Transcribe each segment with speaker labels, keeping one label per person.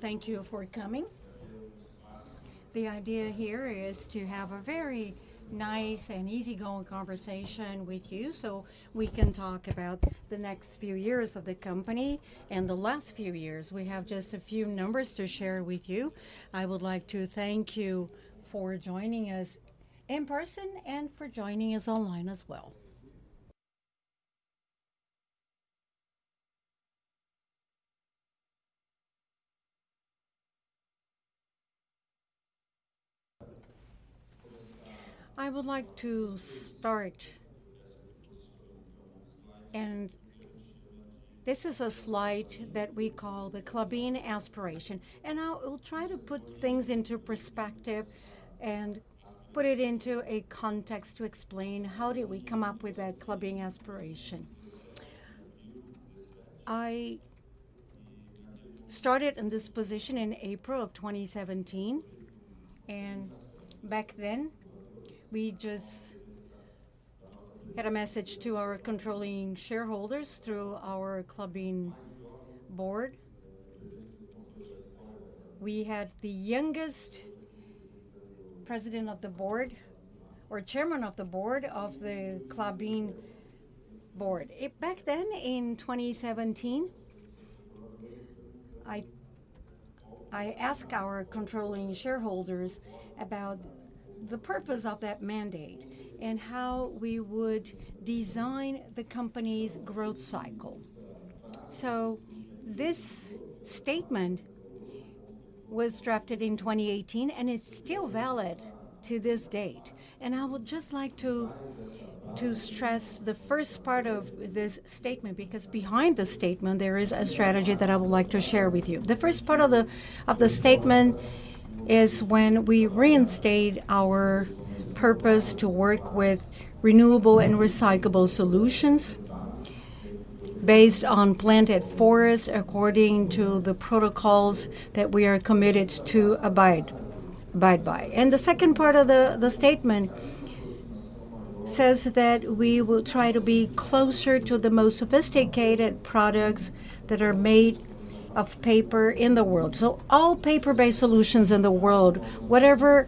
Speaker 1: Thank you for coming. The idea here is to have a very nice and easygoing conversation with you, so we can talk about the next few years of the company and the last few years. We have just a few numbers to share with you. I would like to thank you for joining us in person and for joining us online as well. I would like to start, and this is a slide that we call the Klabin Aspiration, and I'll try to put things into perspective and put it into a context to explain how did we come up with that Klabin Aspiration. I started in this position in April 2017, and back then, we just had a message to our controlling shareholders through our Klabin board. We had the youngest president of the board, or chairman of the board of the Klabin board. Back then, in 2017, I asked our controlling shareholders about the purpose of that mandate and how we would design the company's growth cycle. So this statement was drafted in 2018, and it's still valid to this date. And I would just like to stress the first part of this statement, because behind the statement, there is a strategy that I would like to share with you. The first part of the statement is when we reinstate our purpose to work with renewable and recyclable solutions based on planted forests, according to the protocols that we are committed to abide by. And the second part of the statement says that we will try to be closer to the most sophisticated products that are made of paper in the world. So all paper-based solutions in the world, whatever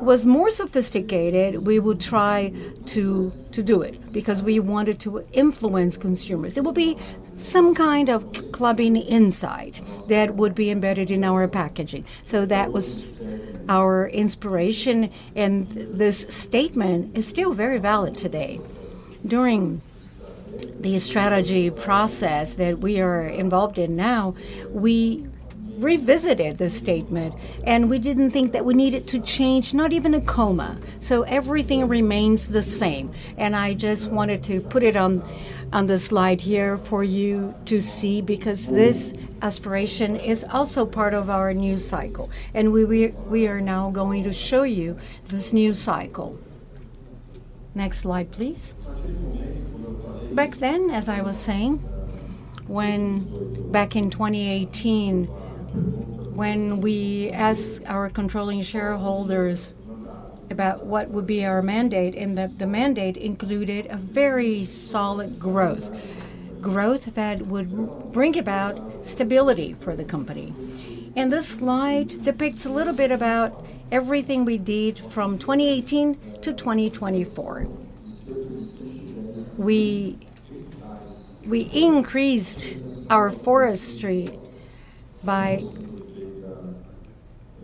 Speaker 1: was more sophisticated, we would try to do it, because we wanted to influence consumers. It would be some kind of Klabin insight that would be embedded in our packaging. So that was our inspiration, and this statement is still very valid today. During the strategy process that we are involved in now, we revisited this statement, and we didn't think that we needed to change, not even a comma. So everything remains the same, and I just wanted to put it on the slide here for you to see, because this aspiration is also part of our new cycle, and we are now going to show you this new cycle. Next slide, please. Back then, as I was saying, when back in 2018, when we asked our controlling shareholders about what would be our mandate, and that the mandate included a very solid growth, growth that would bring about stability for the company. This slide depicts a little bit about everything we did from 2018 to 2024. We, we increased our forestry by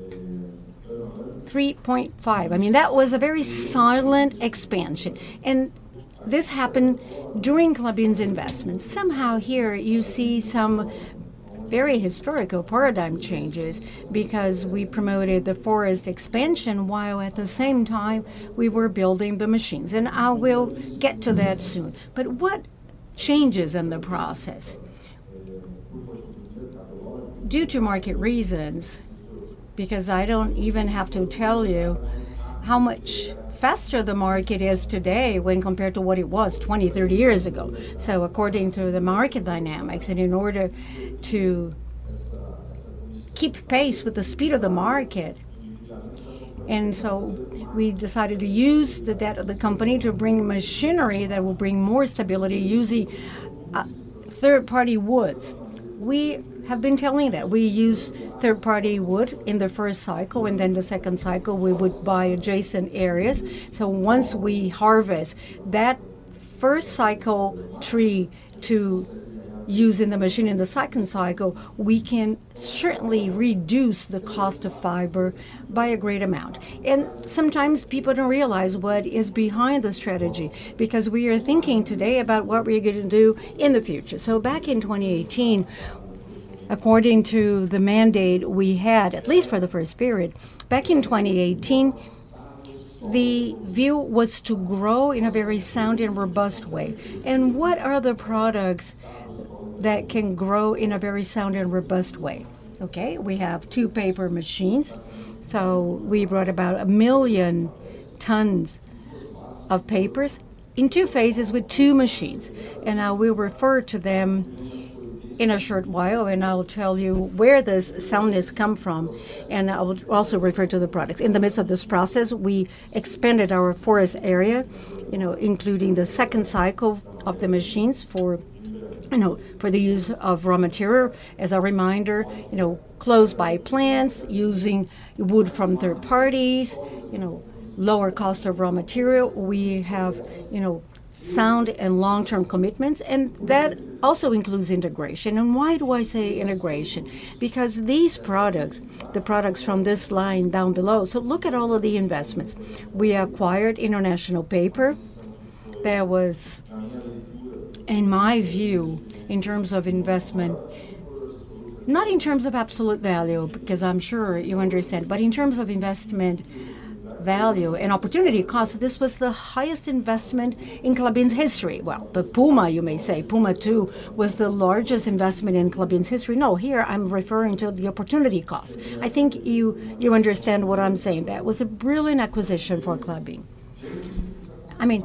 Speaker 1: 3.5. I mean, that was a very silent expansion, and this happened during Klabin's investment. Somehow here you see some very historical paradigm changes because we promoted the forest expansion, while at the same time we were building the machines, and I will get to that soon. What changes in the process? Due to market reasons, because I don't even have to tell you how much faster the market is today when compared to what it was 20, 30 years ago. So according to the market dynamics and in order to keep pace with the speed of the market, and so we decided to use the debt of the company to bring machinery that will bring more stability using third-party woods. We have been telling that. We used third-party wood in the first cycle, and then the second cycle, we would buy adjacent areas. So once we harvest that first cycle tree to use in the machine in the second cycle, we can certainly reduce the cost of fiber by a great amount. And sometimes people don't realize what is behind the strategy, because we are thinking today about what we are going to do in the future. Back in 2018, according to the mandate we had, at least for the first period, back in 2018, the view was to grow in a very sound and robust way. What are the products that can grow in a very sound and robust way? Okay, we have two paper machines, so we brought about 1 million tons of paper in two phases with two machines, and I will refer to them in a short while, and I will tell you where this soundness come from, and I will also refer to the products. In the midst of this process, we expanded our forest area, you know, including the second cycle of the machines for, you know, for the use of raw material. As a reminder, you know, close by plants, using wood from third parties, you know, lower cost of raw material. We have, you know, sound and long-term commitments, and that also includes integration. And why do I say integration? Because these products, the products from this line down below. So look at all of the investments. We acquired International Paper. That was, in my view, in terms of investment, not in terms of absolute value, because I'm sure you understand, but in terms of investment value and opportunity cost, this was the highest investment in Klabin's history. Well, but Puma, you may say, Puma II, was the largest investment in Klabin's history. No, here I'm referring to the opportunity cost. I think you, you understand what I'm saying. That was a brilliant acquisition for Klabin. I mean,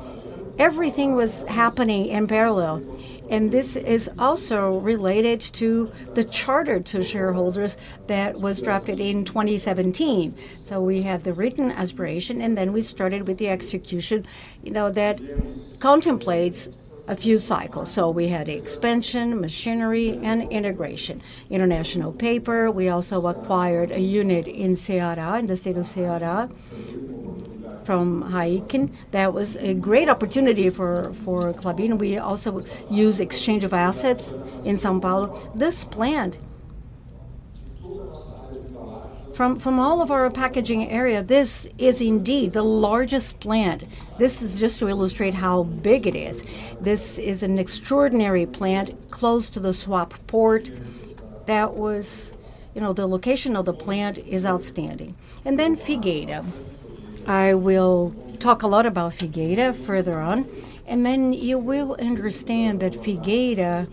Speaker 1: everything was happening in parallel, and this is also related to the charter to shareholders that was drafted in 2017. So we had the written aspiration, and then we started with the execution, you know, that contemplates a few cycles. So we had expansion, machinery, and integration. International Paper, we also acquired a unit in Ceará, in the state of Ceará, from HeinekenRipasa. That was a great opportunity for Klabin. We also use exchange of assets in São Paulo. This plant, from all of our packaging area, this is indeed the largest plant. This is just to illustrate how big it is. This is an extraordinary plant, close to the Santos port. You know, the location of the plant is outstanding. And then Figueira. I will talk a lot about Figueira further on, and then you will understand that Figueira,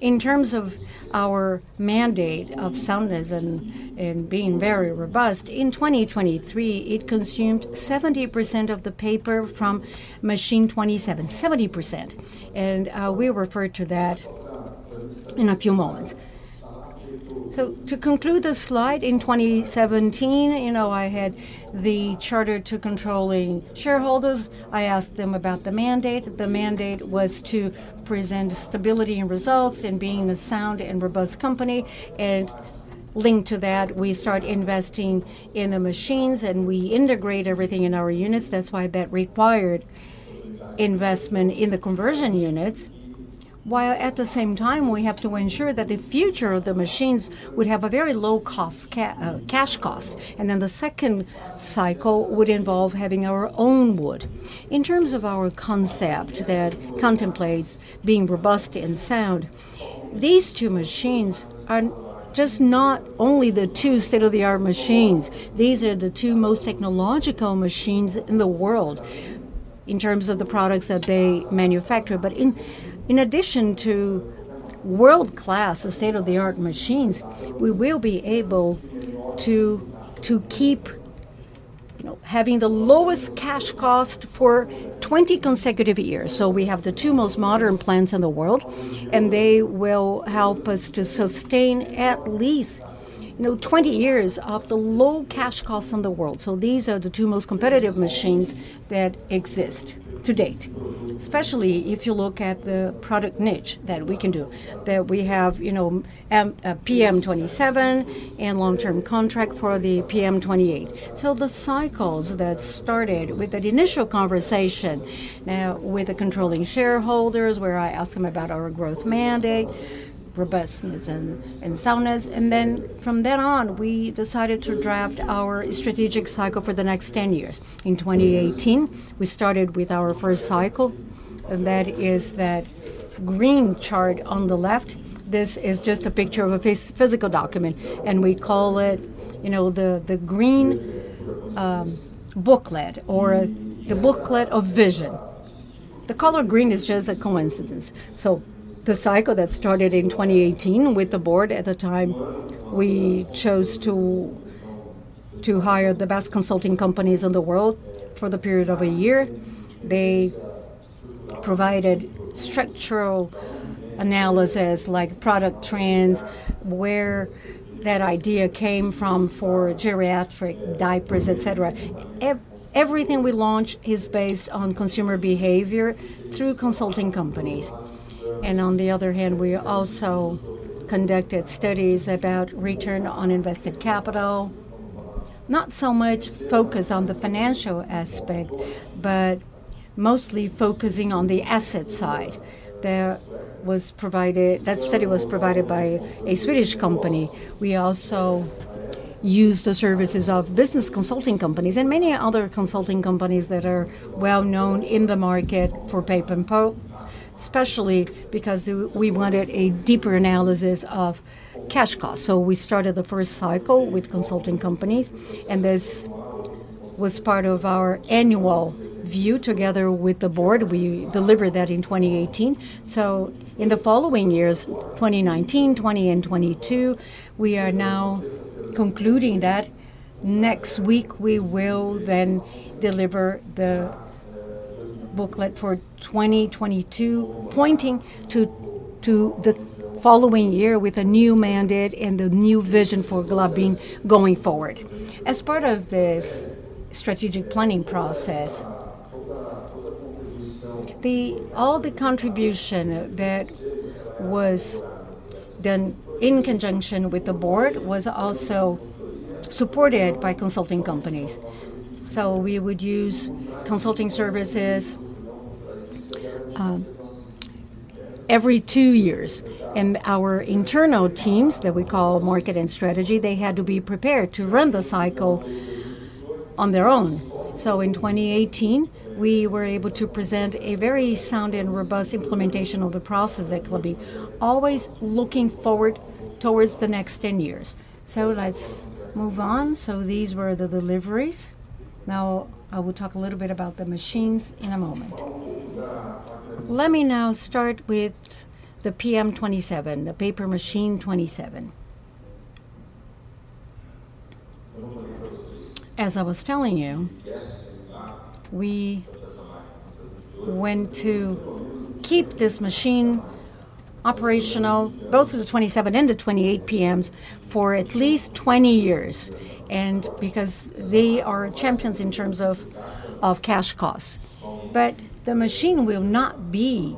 Speaker 1: in terms of our mandate of soundness and being very robust, in 2023, it consumed 70% of the paper from machine 27. 70%, and we'll refer to that in a few moments. So to conclude this slide, in 2017, you know, I had the charter to controlling shareholders. I asked them about the mandate. The mandate was to present stability and results in being a sound and robust company, and linked to that, we start investing in the machines, and we integrate everything in our units. That's why that required investment in the conversion units, while at the same time, we have to ensure that the future of the machines would have a very low cost cash cost. And then the second cycle would involve having our own wood. In terms of our concept that contemplates being robust and sound, these two machines are just not only the two state-of-the-art machines, these are the two most technological machines in the world in terms of the products that they manufacture. But in addition to world-class and state-of-the-art machines, we will be able to keep, you know, having the lowest cash cost for 20 consecutive years. So we have the two most modern plants in the world, and they will help us to sustain at least, you know, 20 years of the low cash costs in the world. So these are the two most competitive machines that exist to date, especially if you look at the product niche that we can do, that we have, you know, PM27 and long-term contract for the PM28. So the cycles that started with that initial conversation with the controlling shareholders, where I asked them about our growth mandate, robustness and soundness, and then from then on, we decided to draft our strategic cycle for the next 10 years. In 2018, we started with our first cycle, and that is that green chart on the left. This is just a picture of a physical document, and we call it, you know, the, the green booklet or the booklet of vision. The color green is just a coincidence. So the cycle that started in 2018 with the board at the time, we chose to hire the best consulting companies in the world for the period of a year. They provided structural analysis, like product trends, where that idea came from for geriatric diapers, et cetera. Everything we launch is based on consumer behavior through consulting companies. On the other hand, we also conducted studies about return on invested capital. Not so much focused on the financial aspect, but mostly focusing on the asset side. That study was provided by a Swedish company. We also used the services of business consulting companies and many other consulting companies that are well-known in the market for paper and pulp, especially because we wanted a deeper analysis of cash cost. So we started the first cycle with consulting companies, and this was part of our annual view. Together with the board, we delivered that in 2018. So in the following years, 2019, 2020, and 2022, we are now concluding that. Next week, we will then deliver the booklet for 2022, pointing to the following year with a new mandate and a new vision for Klabin going forward. As part of this strategic planning process, all the contribution that was then in conjunction with the board, was also supported by consulting companies. So we would use consulting services every two years, and our internal teams that we call market and strategy, they had to be prepared to run the cycle on their own. So in 2018, we were able to present a very sound and robust implementation of the process at Klabin, always looking forward towards the next 10 years. So let's move on. So these were the deliveries. Now, I will talk a little bit about the machines in a moment. Let me now start with the PM27, the paper machine 27. As I was telling you, we went to keep this machine operational, both the 27 and the 28 PMs, for at least 20 years, and because they are champions in terms of, of cash costs. But the machine will not be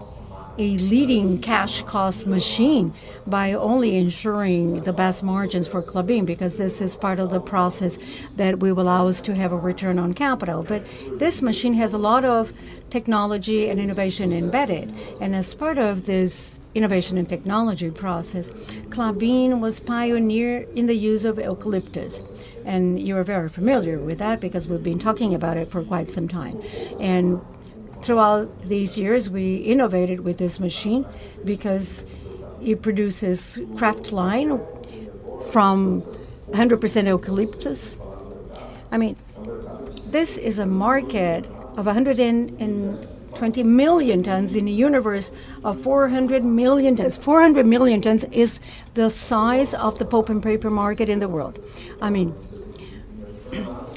Speaker 1: a leading cash cost machine by only ensuring the best margins for Klabin, because this is part of the process that will allow us to have a return on capital. But this machine has a lot of technology and innovation embedded, and as part of this innovation and technology process, Klabin was pioneer in the use of eucalyptus, and you are very familiar with that because we've been talking about it for quite some time. And throughout these years, we innovated with this machine because it produces kraftliner from 100% eucalyptus. I mean, this is a market of 120 million tons in a universe of 400 million tons. 400 million tons is the size of the pulp and paper market in the world. I mean,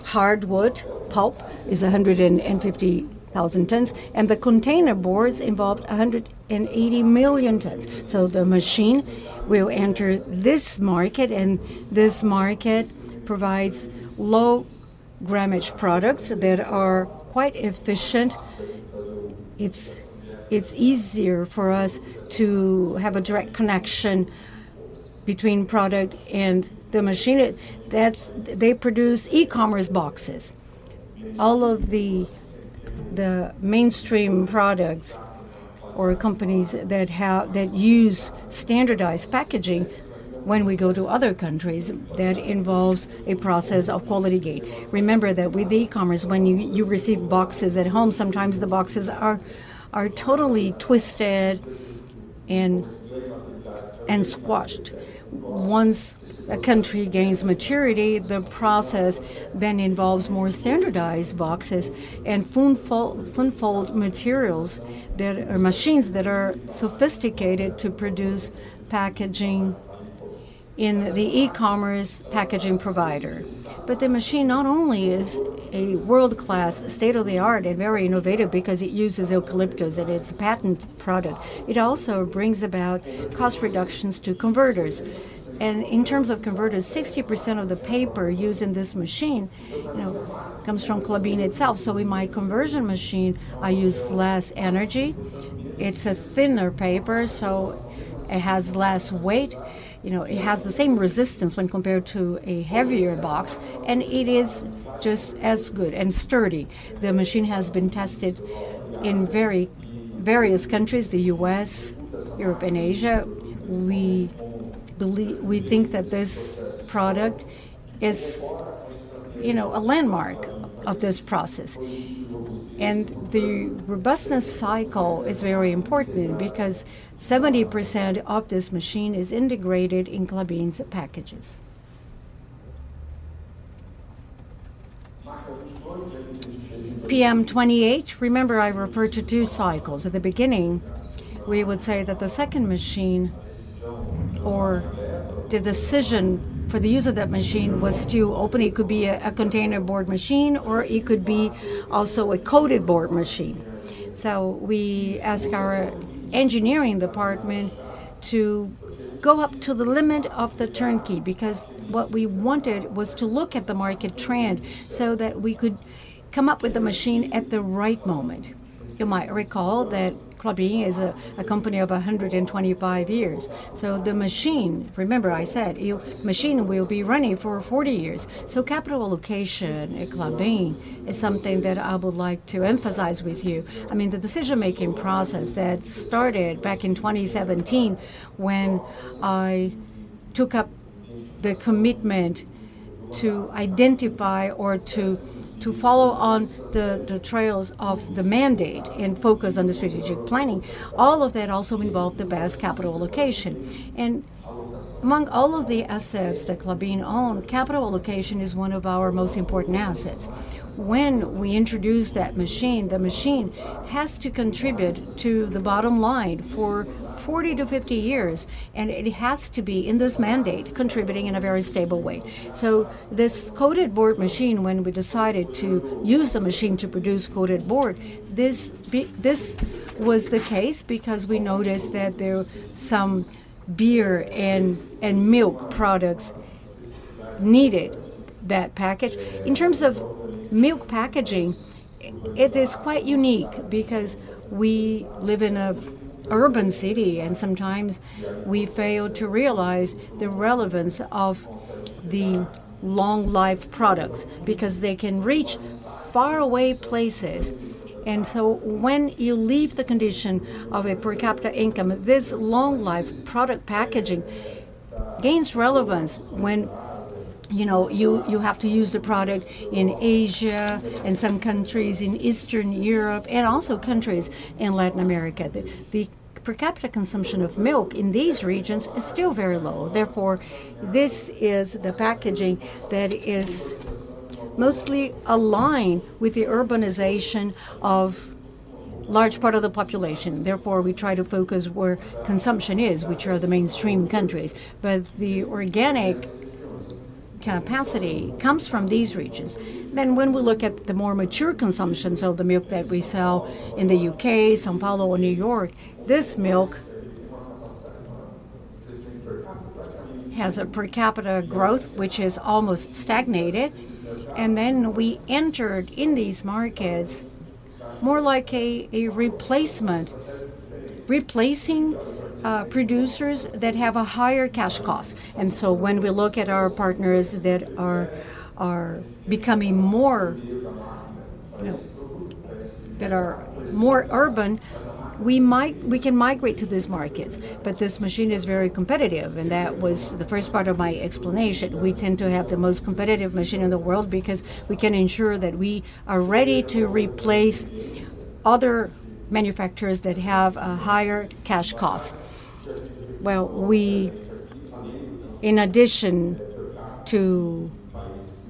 Speaker 1: hardwood pulp is 150,000 tons, and the container boards involve 180 million tons. So the machine will enter this market, and this market provides low grammage products that are quite efficient. It's easier for us to have a direct connection between product and the machine. It. That's. They produce e-commerce boxes. All of the mainstream products or companies that use standardized packaging when we go to other countries, that involves a process of quality gate. Remember that with e-commerce, when you receive boxes at home, sometimes the boxes are totally twisted and squashed. Once a country gains maturity, the process then involves more standardized boxes and fanfold, fanfold materials that are machines that are sophisticated to produce packaging in the e-commerce packaging provider. But the machine not only is a world-class, state-of-the-art, and very innovative because it uses eucalyptus and it's a patented product, it also brings about cost reductions to converters. And in terms of converters, 60% of the paper used in this machine, you know, comes from Klabin itself. So in my conversion machine, I use less energy. It's a thinner paper, so it has less weight. You know, it has the same resistance when compared to a heavier box, and it is just as good and sturdy. The machine has been tested in very various countries, the U.S., Europe, and Asia. We believe— We think that this product is, you know, a landmark of this process. The robustness cycle is very important because 70% of this machine is integrated in Klabin's packages. PM28, remember I referred to 2 cycles. At the beginning, we would say that the second machine, or the decision for the use of that machine, was still open. It could be a, a container board machine, or it could be also a coated board machine. So we asked our engineering department to go up to the limit of the turnkey, because what we wanted was to look at the market trend so that we could come up with the machine at the right moment. You might recall that Klabin is a, a company of 125 years, so the machine. Remember I said, "Your machine will be running for 40 years." So capital allocation at Klabin is something that I would like to emphasize with you. I mean, the decision-making process that started back in 2017, when I took up the commitment to identify or to follow on the trails of the mandate and focus on the strategic planning, all of that also involved the best capital allocation. And among all of the assets that Klabin owns, capital allocation is one of our most important assets. When we introduce that machine, the machine has to contribute to the bottom line for 40-50 years, and it has to be in this mandate, contributing in a very stable way. So this coated board machine, when we decided to use the machine to produce coated board, this was the case because we noticed that there were some beer and milk products needed that package. In terms of milk packaging, it is quite unique because we live in an urban city, and sometimes we fail to realize the relevance of the long-life products, because they can reach faraway places. And so when you leave the condition of a per capita income, this long-life product packaging gains relevance when, you know, you have to use the product in Asia, in some countries in Eastern Europe, and also countries in Latin America. The per capita consumption of milk in these regions is still very low, therefore, this is the packaging that is mostly aligned with the urbanization of large part of the population. Therefore, we try to focus where consumption is, which are the mainstream countries. But the organic capacity comes from these regions. Then, when we look at the more mature consumptions of the milk that we sell in the U.K., São Paulo, or New York, this milk has a per capita growth which has almost stagnated. And then we entered in these markets more like a replacement, replacing producers that have a higher cash cost. And so when we look at our partners that are becoming more, you know, that are more urban, we might - we can migrate to these markets. But this machine is very competitive, and that was the first part of my explanation. We tend to have the most competitive machine in the world because we can ensure that we are ready to replace other manufacturers that have a higher cash cost. Well, we, in addition to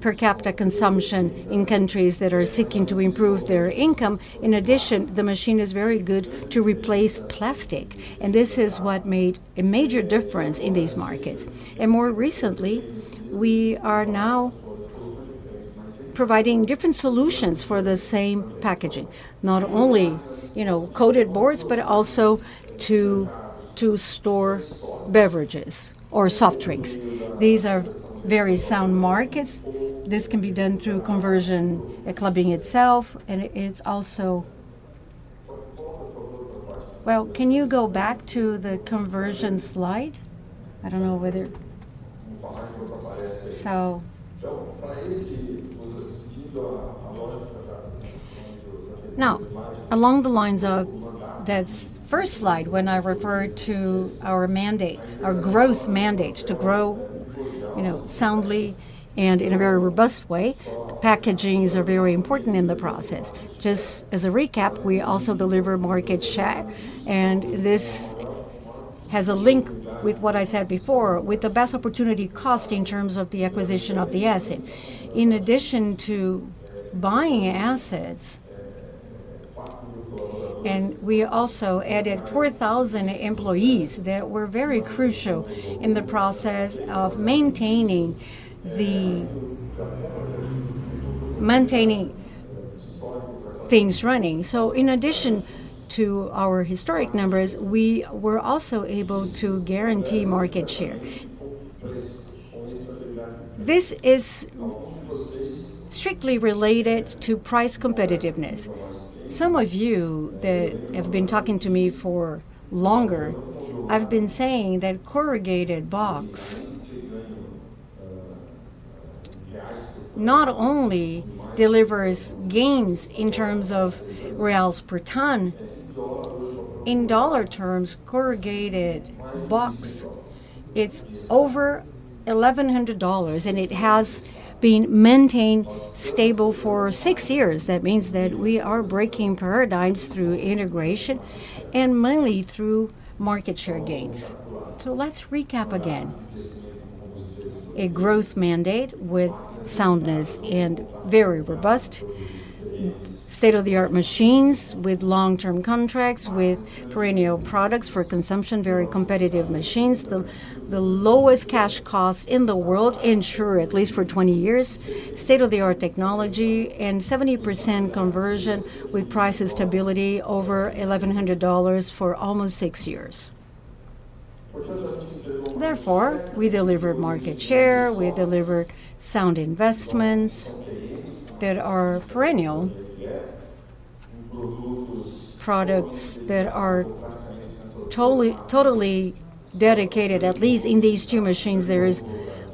Speaker 1: per capita consumption in countries that are seeking to improve their income, in addition, the machine is very good to replace plastic, and this is what made a major difference in these markets. More recently, we are now providing different solutions for the same packaging. Not only, you know, coated boards, but also to, to store beverages or soft drinks. These are very sound markets. This can be done through conversion, Klabin itself, and it, it's also... Well, can you go back to the conversion slide? I don't know whether... Now, along the lines of that first slide, when I referred to our mandate, our growth mandate, to grow, you know, soundly and in a very robust way, packagings are very important in the process. Just as a recap, we also deliver market share, and this has a link with what I said before, with the best opportunity cost in terms of the acquisition of the asset. In addition to buying assets, we also added 4,000 employees that were very crucial in the process of maintaining things running. So in addition to our historic numbers, we were also able to guarantee market share. This is strictly related to price competitiveness. Some of you that have been talking to me for longer, I've been saying that corrugated box not only delivers gains in terms of reals per ton. In dollar terms, corrugated box, it's over $1,100, and it has been maintained stable for six years. That means that we are breaking paradigms through integration and mainly through market share gains. So let's recap again. A growth mandate with soundness and very robust state-of-the-art machines, with long-term contracts, with perennial products for consumption, very competitive machines, the lowest cash costs in the world, ensure at least for 20 years, state-of-the-art technology, and 70% conversion with price stability over $1,100 for almost 6 years. Therefore, we deliver market share, we deliver sound investments that are perennial products that are totally, totally dedicated. At least in these two machines, there is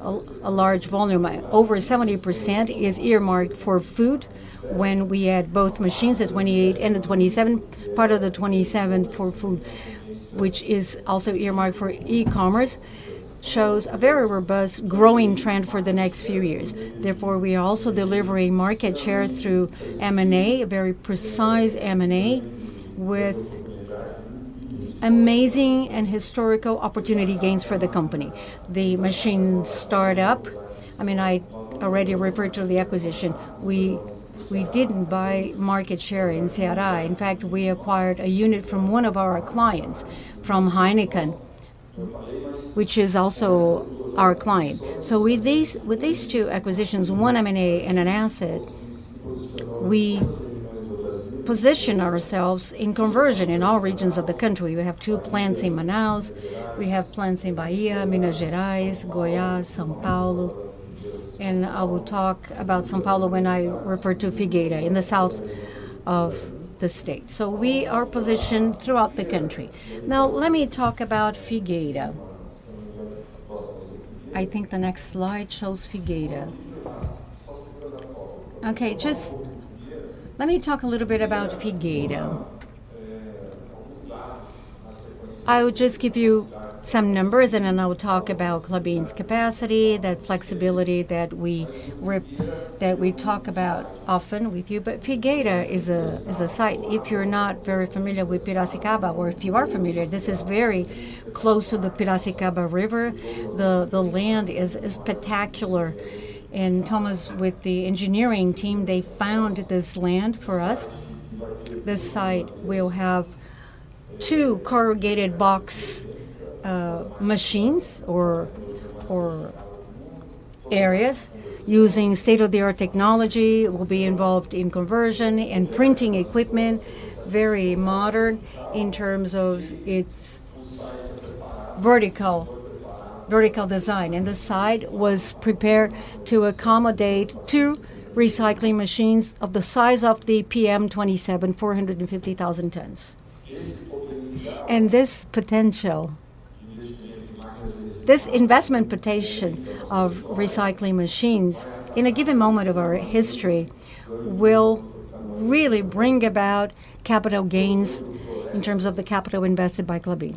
Speaker 1: a large volume. Over 70% is earmarked for food. When we add both machines, the 28 and the 27, part of the 27 for food, which is also earmarked for e-commerce, shows a very robust growing trend for the next few years. Therefore, we are also delivering market share through M&A, a very precise M&A, with amazing and historical opportunity gains for the company. The machine startup, I mean, I already referred to the acquisition. We, we didn't buy market share in Ceará. In fact, we acquired a unit from one of our clients, from Heineken, which is also our client. So with these, with these two acquisitions, one M&A and an asset, we position ourselves in conversion in all regions of the country. We have two plants in Manaus, we have plants in Bahia, Minas Gerais, Goiás, São Paulo, and I will talk about São Paulo when I refer to Figueira, in the south of the state. So we are positioned throughout the country. Now, let me talk about Figueira. I think the next slide shows Figueira. Okay, just let me talk a little bit about Figueira. I will just give you some numbers, and then I will talk about Klabin's capacity, the flexibility that we talk about often with you. But Figueira is a site. If you're not very familiar with Piracicaba, or if you are familiar, this is very close to the Piracicaba River. The land is spectacular, and Thomas, with the engineering team, they found this land for us. This site will have two corrugated box machines or areas using state-of-the-art technology, will be involved in conversion and printing equipment. Very modern in terms of its vertical design. And the site was prepared to accommodate two recycling machines of the size of the PM27, 450,000 tons. This potential, this investment potential of recycling machines, in a given moment of our history, will really bring about capital gains in terms of the capital invested by Klabin.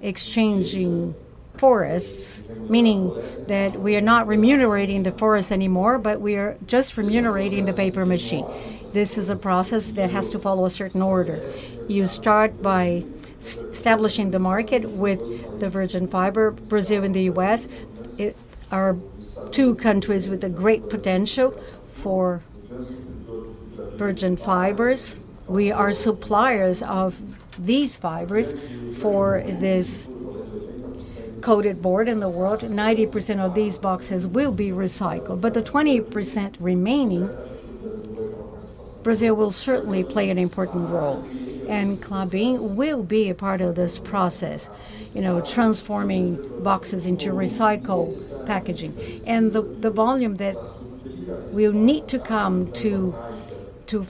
Speaker 1: Exchanging forests, meaning that we are not remunerating the forest anymore, but we are just remunerating the paper machine. This is a process that has to follow a certain order. You start by establishing the market with the virgin fiber. Brazil and the U.S., it, are two countries with a great potential for virgin fibers. We are suppliers of these fibers for this coated board in the world. 90% of these boxes will be recycled, but the 20% remaining, Brazil will certainly play an important role, and Klabin will be a part of this process, you know, transforming boxes into recycled packaging. The volume that will need to come to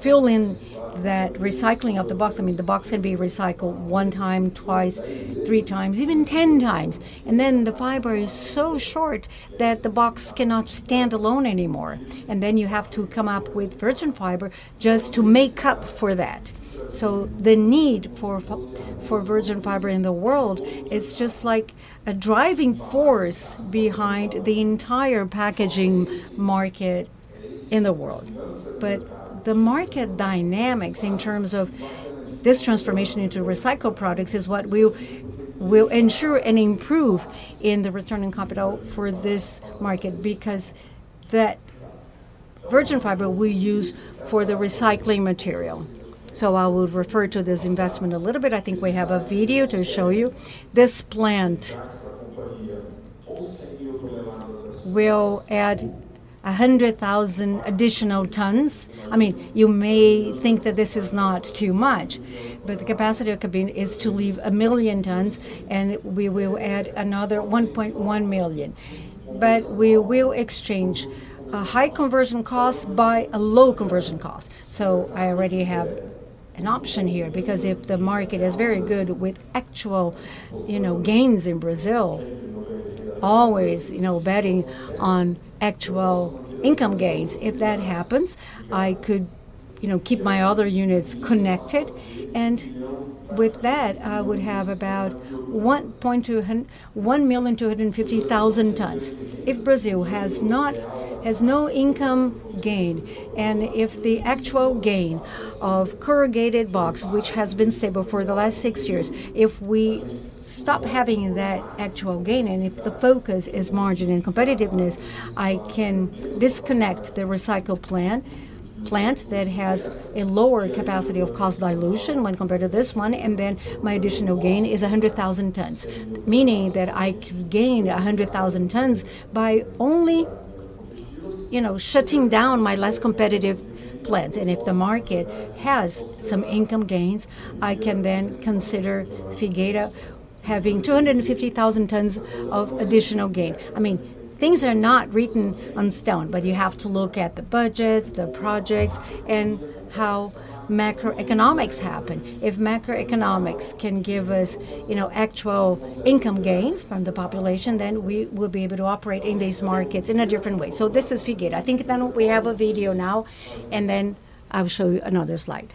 Speaker 1: fill in that recycling of the box—I mean, the box can be recycled 1 time, twice, 3 times, even 10 times, and then the fiber is so short that the box cannot stand alone anymore. Then you have to come up with virgin fiber just to make up for that. The need for virgin fiber in the world is just like a driving force behind the entire packaging market in the world. But the market dynamics, in terms of this transformation into recycled products, is what will ensure and improve the return on capital for this market, because that virgin fiber we use for the recycling material. I will refer to this investment a little bit. I think we have a video to show you. This plant will add 100,000 additional tons. I mean, you may think that this is not too much, but the capacity of Klabin is 1 million tons, and we will add another 1.1 million tons. But we will exchange a high conversion cost by a low conversion cost. So I already have an option here, because if the market is very good with actual, you know, gains in Brazil, always, you know, betting on actual income gains, if that happens, I could, you know, keep my other units connected, and with that, I would have about 1.25 million tons. If Brazil has no income gain, and if the actual gain of corrugated box, which has been stable for the last six years, if we stop having that actual gain, and if the focus is margin and competitiveness, I can disconnect the recycle plant, plant that has a lower capacity of cost dilution when compared to this one, and then my additional gain is 100,000 tons. Meaning that I could gain 100,000 tons by only, you know, shutting down my less competitive plants. And if the market has some income gains, I can then consider Figueira having 250,000 tons of additional gain. I mean, things are not written on stone, but you have to look at the budgets, the projects, and how macroeconomics happen. If macroeconomics can give us, you know, actual income gain from the population, then we will be able to operate in these markets in a different way. So this is Figueira. I think then we have a video now, and then I will show you another slide.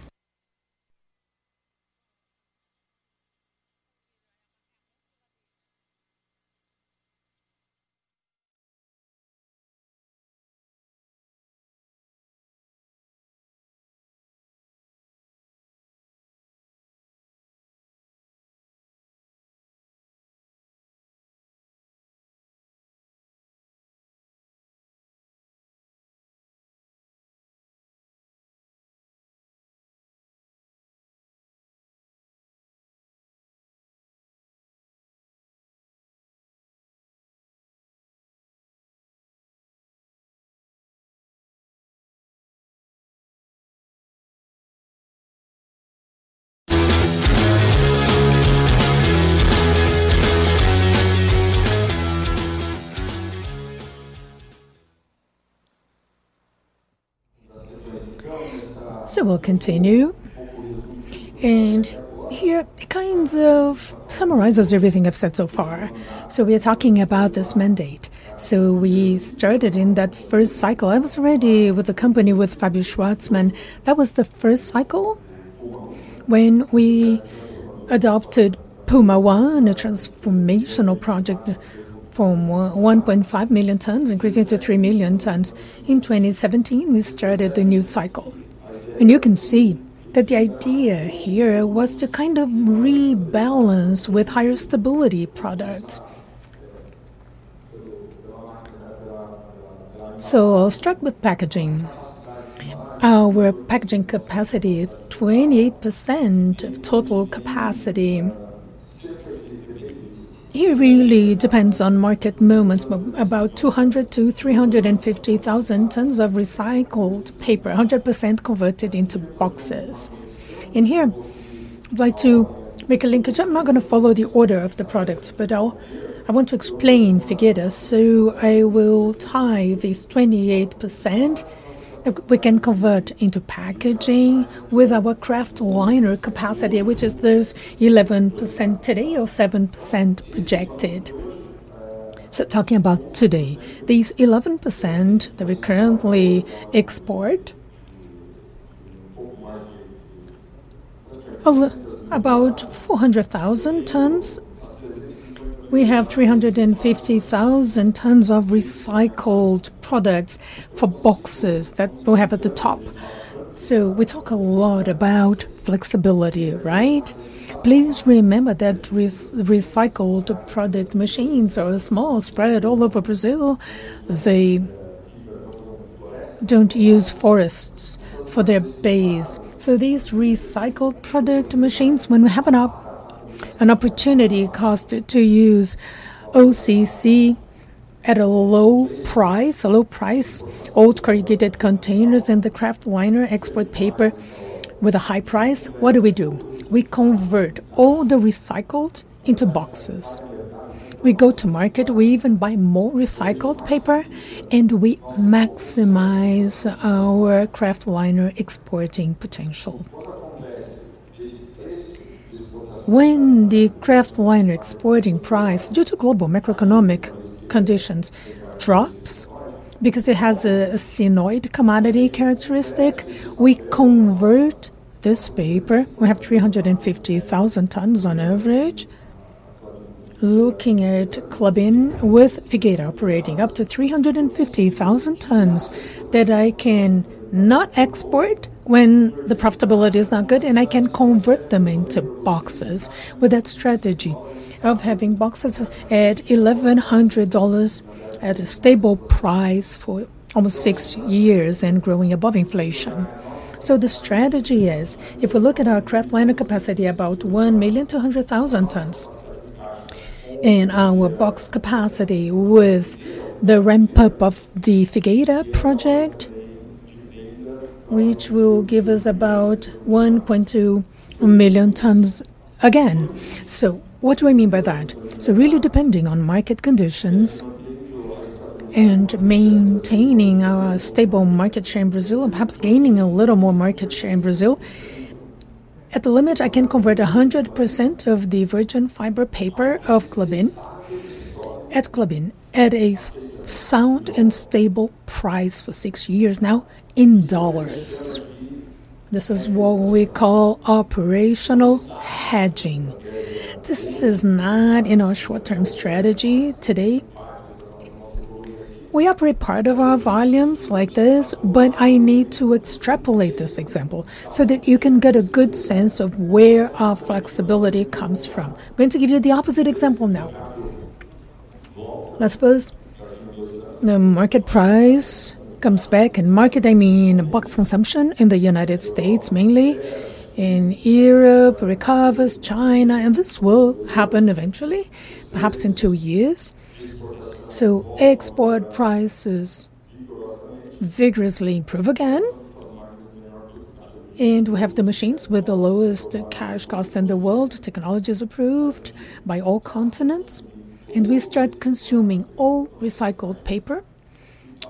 Speaker 1: So we'll continue, and here it kind of summarizes everything I've said so far. So we are talking about this mandate. So we started in that first cycle. I was already with the company, with Fabio Schvartsman. That was the first cycle when we adopted Puma I, a transformational project from 1.5 million tons, increasing to 3 million tons. In 2017, we started the new cycle, and you can see that the idea here was to kind of rebalance with higher stability products. So I'll start with packaging. Our packaging capacity is 28% of total capacity. It really depends on market moments, but about 200-350,000 tons of recycled paper, 100% converted into boxes. In here, I'd like to make a linkage. I'm not gonna follow the order of the products, but I'll—I want to explain Figueira, so I will tie these 28% that we can convert into packaging with our Kraftliner capacity, which is those 11% today or 7% projected. So talking about today, these 11% that we currently export... of about 400,000 tons, we have 350,000 tons of recycled products for boxes that we have at the top. So we talk a lot about flexibility, right? Please remember that recycled product machines are small, spread all over Brazil. They don't use forests for their base. So these recycled product machines, when we have an opportunity cost to use OCC at a low price, a low price, old corrugated containers and the Kraftliner export paper with a high price, what do we do? We convert all the recycled into boxes. We go to market, we even buy more recycled paper, and we maximize our kraftliner exporting potential. When the kraftliner exporting price, due to global macroeconomic conditions, drops because it has a cyclical commodity characteristic, we convert this paper. We have 350,000 tons on average, looking at Klabin with Figueira operating up to 350,000 tons that I can not export when the profitability is not good, and I can convert them into boxes with that strategy of having boxes at $1,100 at a stable price for almost six years and growing above inflation. So the strategy is, if we look at our kraftliner capacity, about 1.2 million tons, and our box capacity with the ramp-up of the Figueira project, which will give us about 1.2 million tons again. So what do I mean by that? So really, depending on market conditions and maintaining our stable market share in Brazil, and perhaps gaining a little more market share in Brazil, at the limit, I can convert 100% of the virgin fiber paper of Klabin, at Klabin, at a sound and stable price for six years now in dollars. This is what we call operational hedging. This is not in our short-term strategy today. We operate part of our volumes like this, but I need to extrapolate this example so that you can get a good sense of where our flexibility comes from. I'm going to give you the opposite example now. Let's suppose the market price comes back, and market, I mean, box consumption in the United States mainly, in Europe, recovers, China, and this will happen eventually, perhaps in two years. So export prices vigorously improve again, and we have the machines with the lowest cash cost in the world. Technology is approved by all continents, and we start consuming all recycled paper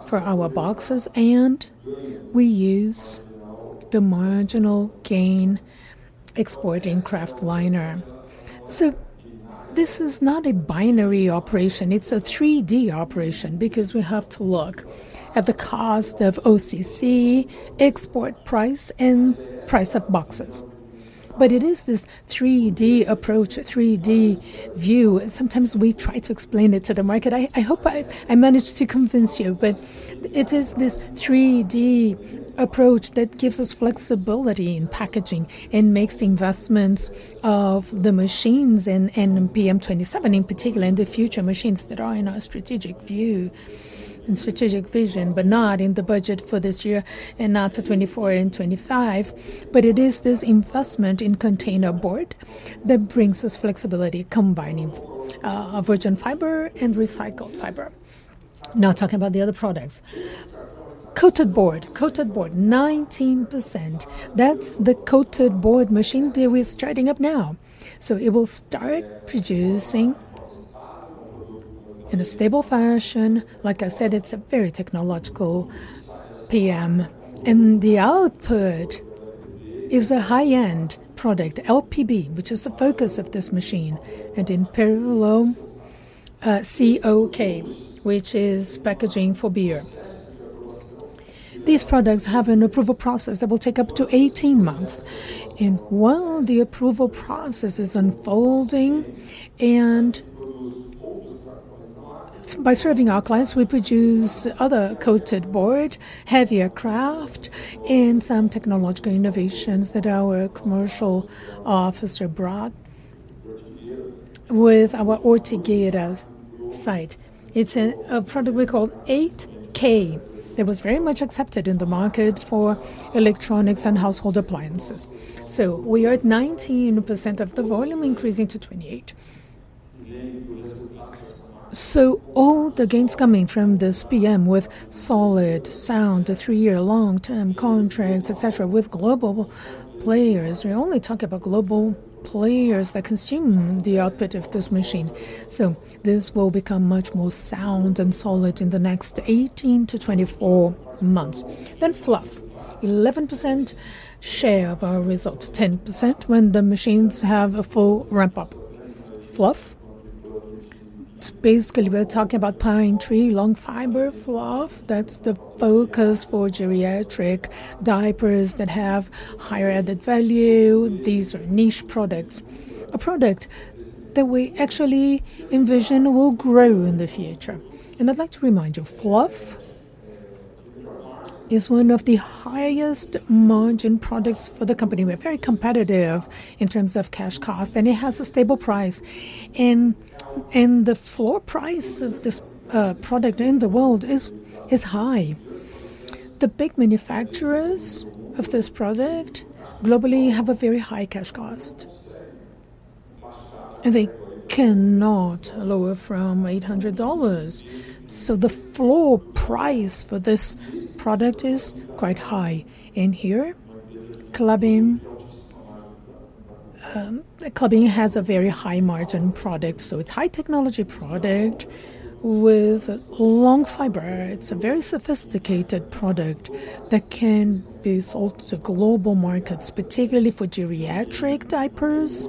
Speaker 1: for our boxes, and we use the marginal gain exporting Kraftliner. So this is not a binary operation, it's a three-D operation, because we have to look at the cost of OCC, export price, and price of boxes. But it is this three-D approach, a three-D view, and sometimes we try to explain it to the market. I hope I managed to convince you, but it is this 3-D approach that gives us flexibility in packaging and makes the investments of the machines and PM27 in particular, and the future machines that are in our strategic view and strategic vision, but not in the budget for this year and not for 2024 and 2025. But it is this investment in container board that brings us flexibility, combining virgin fiber and recycled fiber. Now, talking about the other products. Coated board. Coated board, 19%. That's the coated board machine that we're starting up now. So it will start producing in a stable fashion. Like I said, it's a very technological PM, and the output is a high-end product, LPB, which is the focus of this machine, and in parallel COK, which is packaging for beer. These products have an approval process that will take up to 18 months, and while the approval process is unfolding, by serving our clients, we produce other coated board, heavier kraft, and some technological innovations that our commercial officer brought with our Ortigueira site. It's a product we call 8K, that was very much accepted in the market for electronics and household appliances. So we are at 19% of the volume, increasing to 28%. So all the gains coming from this PM with solid, sound, 3-year long-term contracts, etc., with global players. We only talk about global players that consume the output of this machine, so this will become much more sound and solid in the next 18-24 months. Then fluff, 11% share of our result. 10% when the machines have a full ramp-up. Fluff, it's basically we're talking about pine tree, long fiber fluff. That's the focus for geriatric diapers that have higher added value. These are niche products, a product that we actually envision will grow in the future. And I'd like to remind you, fluff is one of the highest margin products for the company. We're very competitive in terms of cash cost, and it has a stable price. And the floor price of this product in the world is high. The big manufacturers of this product globally have a very high cash cost, and they cannot lower from $800. So the floor price for this product is quite high. And here, Klabin has a very high-margin product, so it's high-technology product with long fiber. It's a very sophisticated product that can be sold to global markets, particularly for geriatric diapers.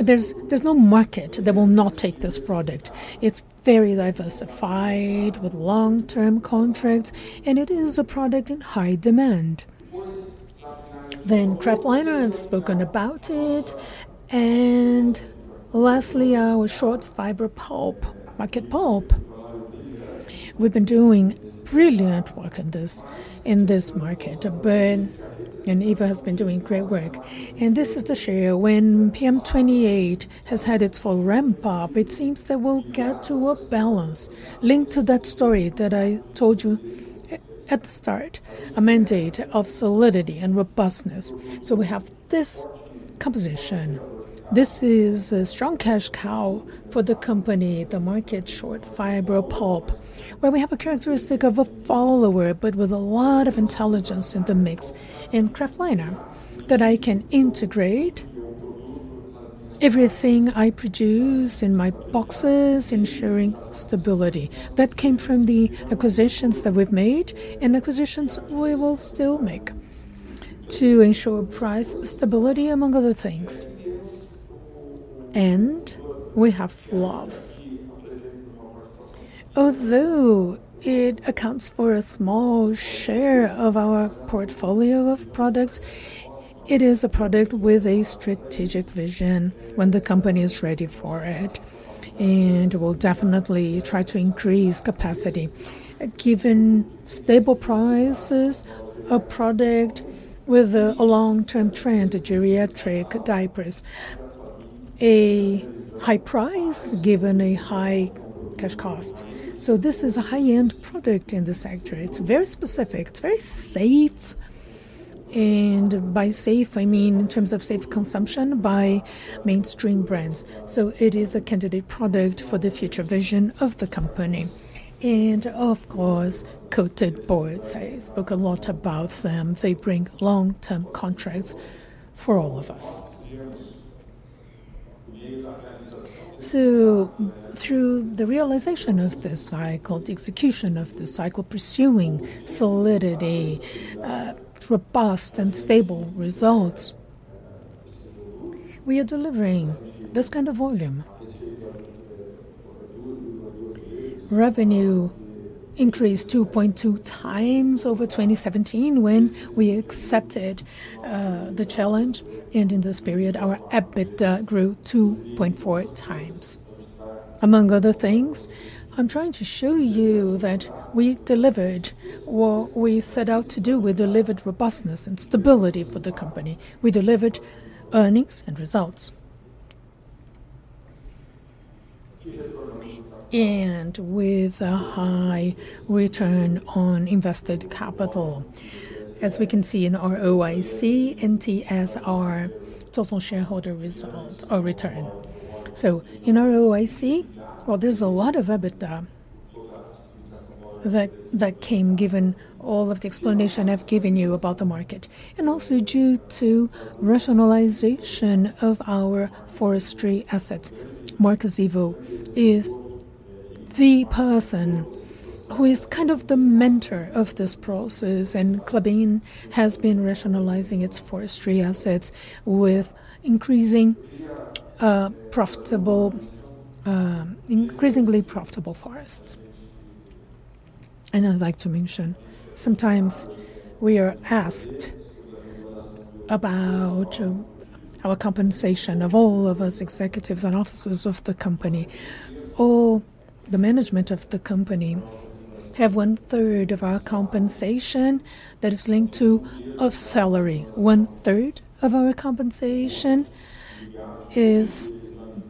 Speaker 1: There's no market that will not take this product. It's very diversified with long-term contracts, and it is a product in high demand. Then Kraftliner, I've spoken about it. And lastly, our short fiber pulp, market pulp. We've been doing brilliant work in this market. Ben and Eva has been doing great work. And this is the share. When PM28 has had its full ramp-up, it seems that we'll get to a balance linked to that story that I told you at the start, a mandate of solidity and robustness. So we have this composition. This is a strong cash cow for the company, the market short fiber pulp, where we have a characteristic of a follower, but with a lot of intelligence in the mix. In Kraftliner, that I can integrate everything I produce in my boxes, ensuring stability. That came from the acquisitions that we've made and acquisitions we will still make to ensure price stability, among other things. And we have fluff. Although it accounts for a small share of our portfolio of products, it is a product with a strategic vision when the company is ready for it, and we'll definitely try to increase capacity. Given stable prices, a product with a long-term trend, geriatric diapers, a high price, given a high cash cost. So this is a high-end product in the sector. It's very specific, it's very safe, and by safe, I mean in terms of safe consumption by mainstream brands. So it is a candidate product for the future vision of the company. And of course, coated boards. I spoke a lot about them. They bring long-term contracts for all of us. So through the realization of this cycle, the execution of this cycle, pursuing solidity, robust and stable results, we are delivering this kind of volume. Revenue increased 2.2 times over 2017 when we accepted the challenge, and in this period, our EBITDA grew 2.4 times. Among other things, I'm trying to show you that we delivered what we set out to do. We delivered robustness and stability for the company. We delivered earnings and results. And with a high return on invested capital, as we can see in our ROIC and TSR, total shareholder return. So in our ROIC, well, there's a lot of EBITDA that came given all of the explanation I've given you about the market, and also due to rationalization of our forestry assets. Marcos Ivo is the person who is kind of the mentor of this process, and Klabin has been rationalizing its forestry assets with increasing, increasingly profitable forests. I'd like to mention, sometimes we are asked about our compensation of all of us executives and officers of the company. All the management of the company have one third of our compensation that is linked to our salary. One third of our compensation is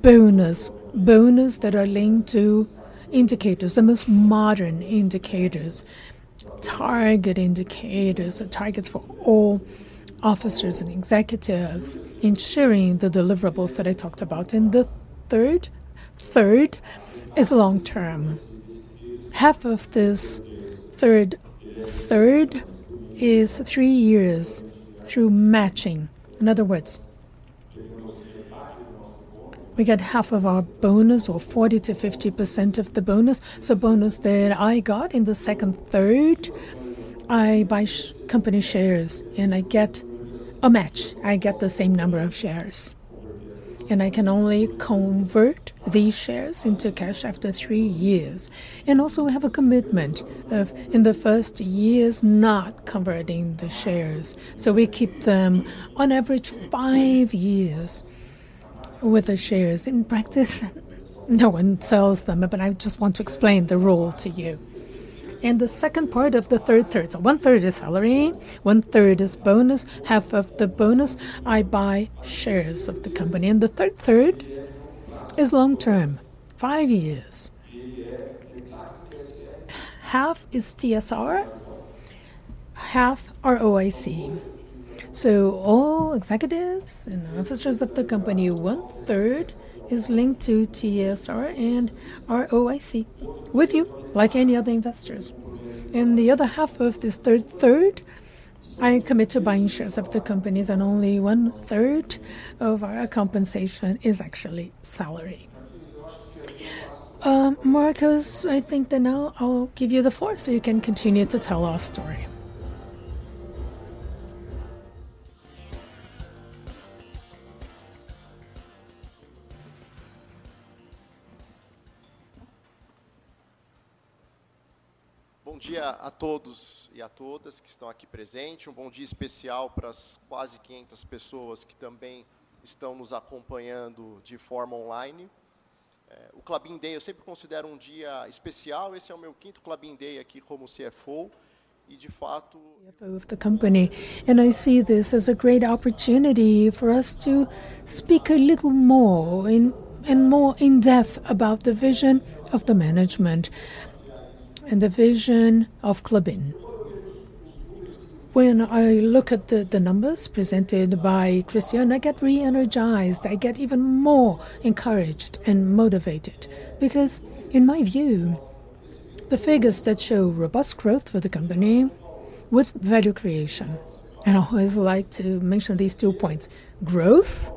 Speaker 1: bonus, bonus that are linked to indicators, the most modern indicators, target indicators or targets for all officers and executives, ensuring the deliverables that I talked about. The third third is long-term. Half of this third third is three years through matching. In other words, we get half of our bonus or 40%-50% of the bonus. So bonus that I got in the second third, I buy company shares, and I get a match. I get the same number of shares, and I can only convert these shares into cash after three years. And also, we have a commitment of, in the first years, not converting the shares, so we keep them on average five years with the shares. In practice, no one sells them, but I just want to explain the rule to you. And the second part of the third third. So one third is salary, one third is bonus. Half of the bonus, I buy shares of the company, and the third third is long-term, five years. Half is TSR, half ROIC. So all executives and officers of the company, one third is linked to TSR and ROIC, with you, like any other investors. The other half of this third third, I commit to buying shares of the companies, and only one third of our compensation is actually salary. Marcos, I think that now I'll give you the floor, so you can continue to tell our story.
Speaker 2: CFO of the company, and I see this as a great opportunity for us to speak a little more in, and more in-depth about the vision of the management and the vision of Klabin. When I look at the numbers presented by Cristiano, I get re-energized. I get even more encouraged and motivated, because in my view, the figures that show robust growth for the company with value creation, and I always like to mention these two points: growth,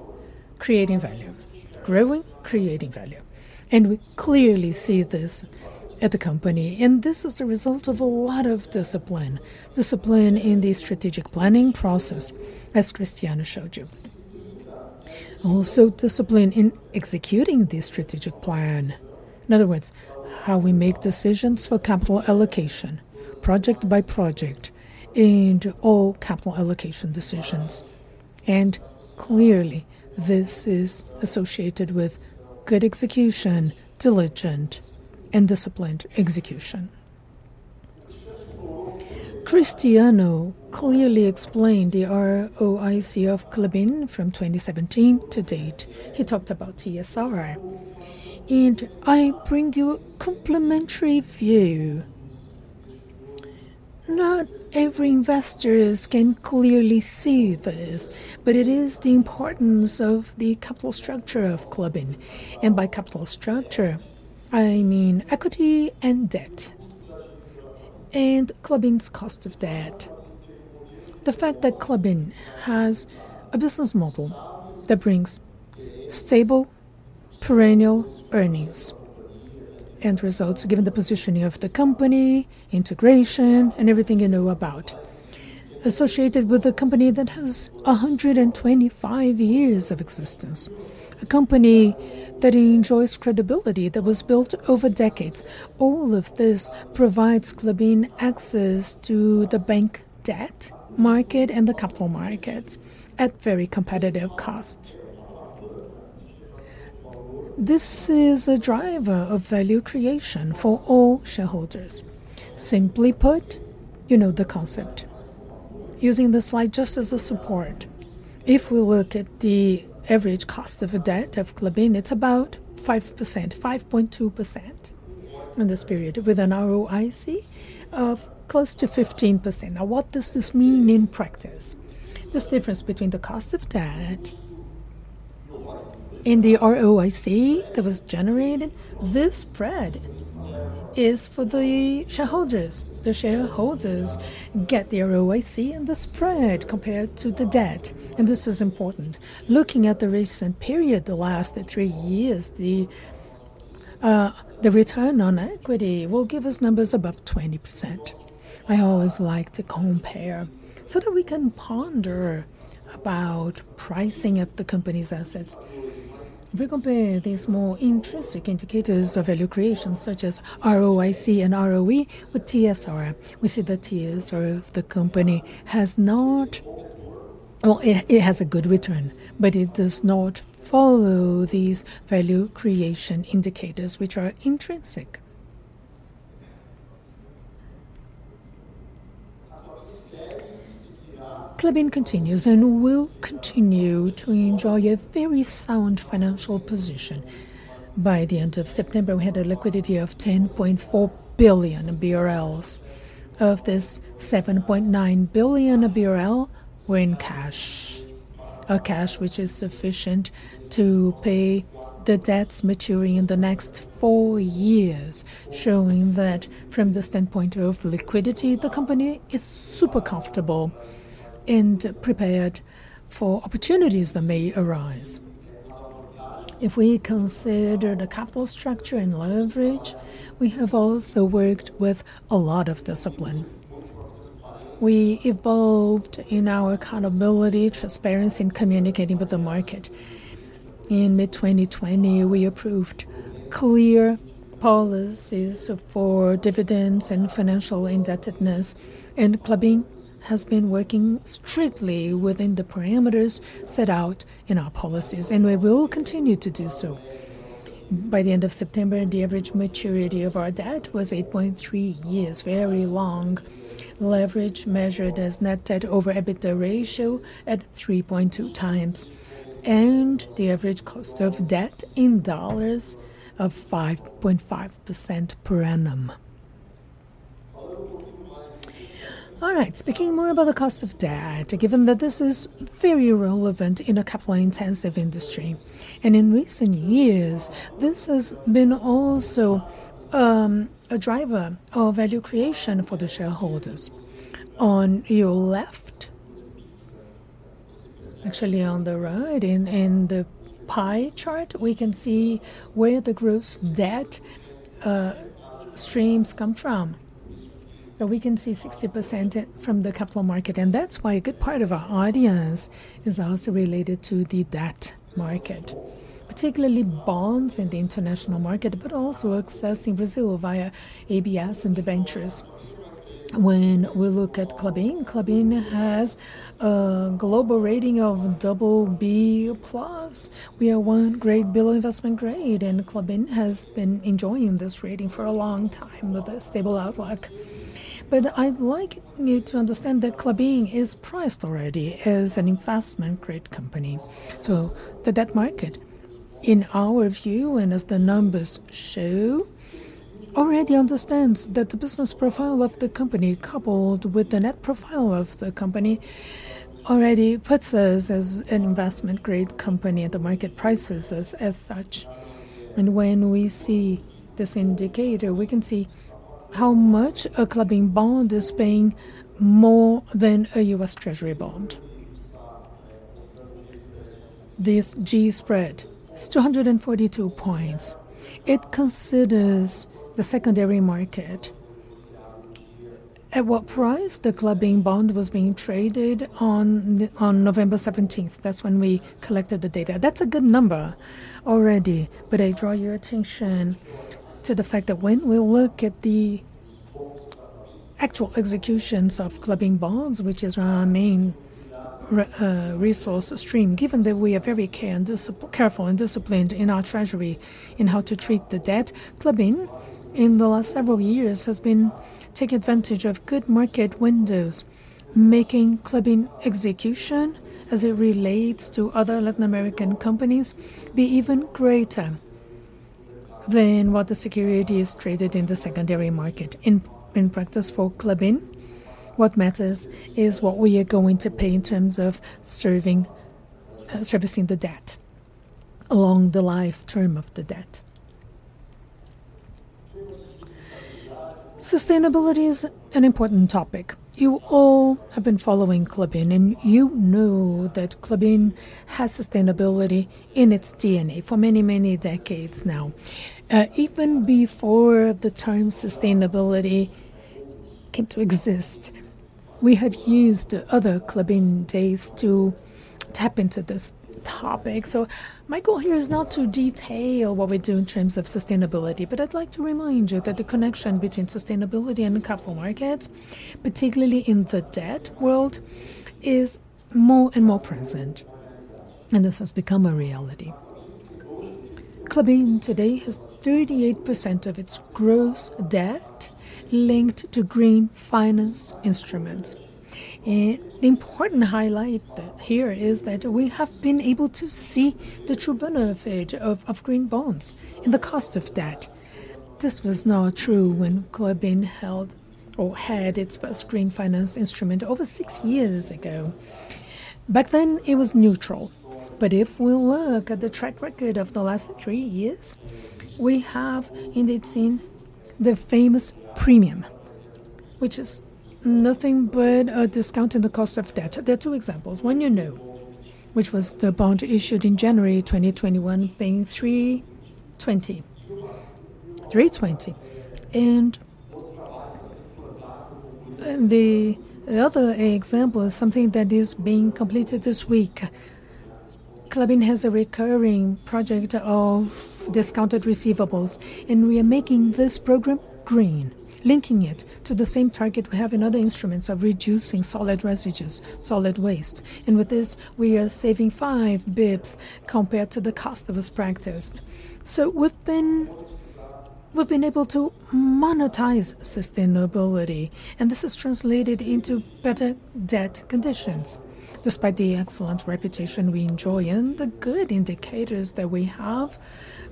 Speaker 2: creating value. Growing, creating value, and we clearly see this at the company. And this is the result of a lot of discipline. Discipline in the strategic planning process, as Cristiano showed you. Also, discipline in executing the strategic plan. In other words, how we make decisions for capital allocation, project by project, and all capital allocation decisions. And clearly, this is associated with good execution, diligent and disciplined execution. Cristiano clearly explained the ROIC of Klabin from 2017 to date. He talked about TSR, and I bring you complementary view. Not every investors can clearly see this, but it is the importance of the capital structure of Klabin. And by capital structure, I mean equity and debt, and Klabin's cost of debt. The fact that Klabin has a business model that brings stable perennial earnings and results, given the positioning of the company, integration, and everything you know about, associated with a company that has 125 years of existence, a company that enjoys credibility that was built over decades. All of this provides Klabin access to the bank debt market and the capital markets at very competitive costs. This is a driver of value creation for all shareholders. Simply put, you know the concept. Using the slide just as a support, if we look at the average cost of a debt of Klabin, it's about 5%, 5.2% in this period, with an ROIC of close to 15%. Now, what does this mean in practice? This difference between the cost of debt in the ROIC that was generated, this spread is for the shareholders. The shareholders get the ROIC and the spread compared to the debt, and this is important. Looking at the recent period, the last three years, the return on equity will give us numbers above 20%. I always like to compare so that we can ponder about pricing of the company's assets. If we compare these more intrinsic indicators of value creation, such as ROIC and ROE with TSR, we see the TSR of the company has not—well, it has a good return, but it does not follow these value creation indicators, which are intrinsic. Klabin continues and will continue to enjoy a very sound financial position. By the end of September, we had a liquidity of 10.4 billion BRL. Of this, 7.9 billion BRL were in cash. Cash which is sufficient to pay the debts maturing in the next 4 years, showing that from the standpoint of liquidity, the company is super comfortable and prepared for opportunities that may arise. If we consider the capital structure and leverage, we have also worked with a lot of discipline. We evolved in our accountability, transparency in communicating with the market. In mid-2020, we approved clear policies for dividends and financial indebtedness, and Klabin has been working strictly within the parameters set out in our policies, and we will continue to do so. By the end of September, the average maturity of our debt was 8.3 years, very long. Leverage measured as net debt over EBITDA ratio at 3.2 times, and the average cost of debt in dollars of 5.5% per annum. All right, speaking more about the cost of debt, given that this is very relevant in a capital-intensive industry, and in recent years, this has been also a driver of value creation for the shareholders. On your left—actually, on the right, in the pie chart, we can see where the gross debt streams come from. So we can see 60%, from the capital market, and that's why a good part of our audience is also related to the debt market, particularly bonds in the international market, but also accessing Brazil via ABS and the debentures. When we look at Klabin, Klabin has a global rating of double B plus. We are one grade below investment grade, and Klabin has been enjoying this rating for a long time with a stable outlook. But I'd like you to understand that Klabin is priced already as an investment-grade company. So the debt market, in our view, and as the numbers show, already understands that the business profile of the company, coupled with the net profile of the company, already puts us as an investment-grade company, and the market prices us as such. And when we see this indicator, we can see how much a Klabin bond is paying more than a U.S. Treasury bond. This G-spread is 242 points. It considers the secondary market. At what price the Klabin bond was being traded on November seventeenth? That's when we collected the data. That's a good number already, but I draw your attention to the fact that when we look at the actual executions of Klabin bonds, which is our main resource stream, given that we are very careful and disciplined in our treasury in how to treat the debt, Klabin, in the last several years, has been taking advantage of good market windows, making Klabin execution, as it relates to other Latin American companies, be even greater than what the security is traded in the secondary market. In practice for Klabin, what matters is what we are going to pay in terms of servicing the debt along the life term of the debt. Sustainability is an important topic. You all have been following Klabin, and you know that Klabin has sustainability in its DNA for many, many decades now. Even before the term sustainability came to exist, we have used other Klabin Days to tap into this topic. So my goal here is not to detail what we do in terms of sustainability, but I'd like to remind you that the connection between sustainability and the capital markets, particularly in the debt world, is more and more present, and this has become a reality. Klabin today has 38% of its gross debt linked to green finance instruments. The important highlight here is that we have been able to see the true benefit of green bonds and the cost of debt. This was not true when Klabin had its first green finance instrument over six years ago. Back then, it was neutral, but if we look at the track record of the last three years, we have indeed seen the famous premium, which is nothing but a discount in the cost of debt. There are two examples. One you know, which was the bond issued in January 2021, paying 3.20. 3.20. And the other example is something that is being completed this week. Klabin has a recurring project of discounted receivables, and we are making this program green, linking it to the same target we have in other instruments of reducing solid residues, solid waste. And with this, we are saving five basis points compared to the cost that was practiced. So we've been able to monetize sustainability, and this is translated into better debt conditions. Despite the excellent reputation we enjoy and the good indicators that we have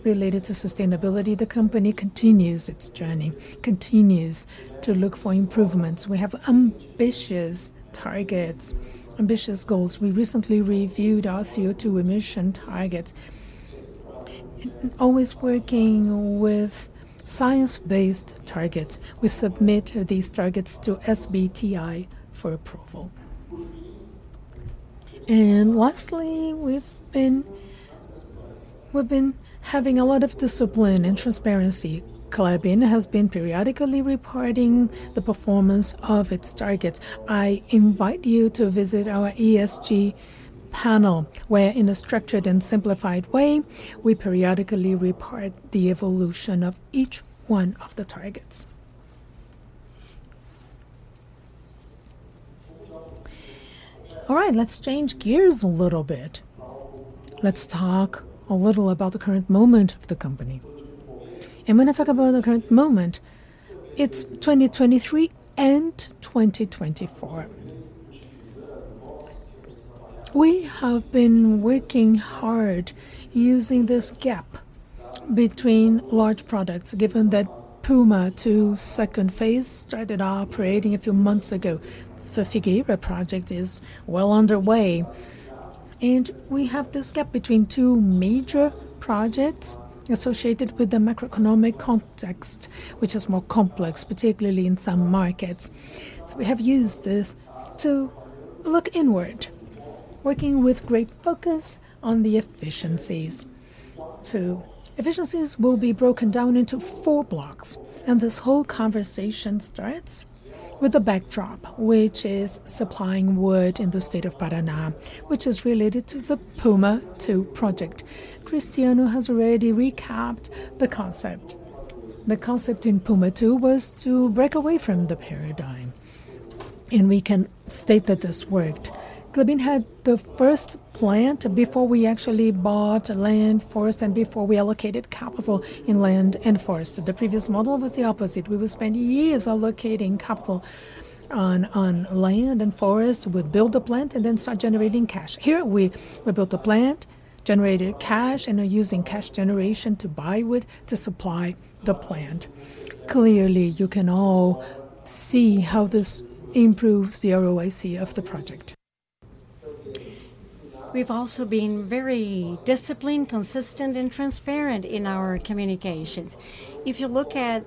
Speaker 2: related to sustainability, the company continues its journey, continues to look for improvements. We have ambitious targets, ambitious goals. We recently reviewed our CO2 emission targets, and always working with science-based targets. We submit these targets to SBTi for approval. Lastly, we've been, we've been having a lot of discipline and transparency. Klabin has been periodically reporting the performance of its targets. I invite you to visit our ESG panel, where in a structured and simplified way, we periodically report the evolution of each one of the targets. All right, let's change gears a little bit. Let's talk a little about the current moment of the company. When I talk about the current moment, it's 2023 and 2024. We have been working hard using this gap between large products, given that Puma II second phase started operating a few months ago. The Figueira project is well underway, and we have this gap between two major projects associated with the macroeconomic context, which is more complex, particularly in some markets. So we have used this to look inward, working with great focus on the efficiencies. So efficiencies will be broken down into four blocks, and this whole conversation starts with the backdrop, which is supplying wood in the state of Paraná, which is related to the Puma II project. Cristiano has already recapped the concept. The concept in Puma II was to break away from the paradigm, and we can state that this worked. Klabin had the first plant before we actually bought land, forest, and before we allocated capital in land and forest. The previous model was the opposite. We would spend years allocating capital on land and forest. We'd build a plant and then start generating cash. Here, we built a plant, generated cash, and are using cash generation to buy wood to supply the plant. Clearly, you can all see how this improves the ROIC of the project. We've also been very disciplined, consistent, and transparent in our communications. If you look at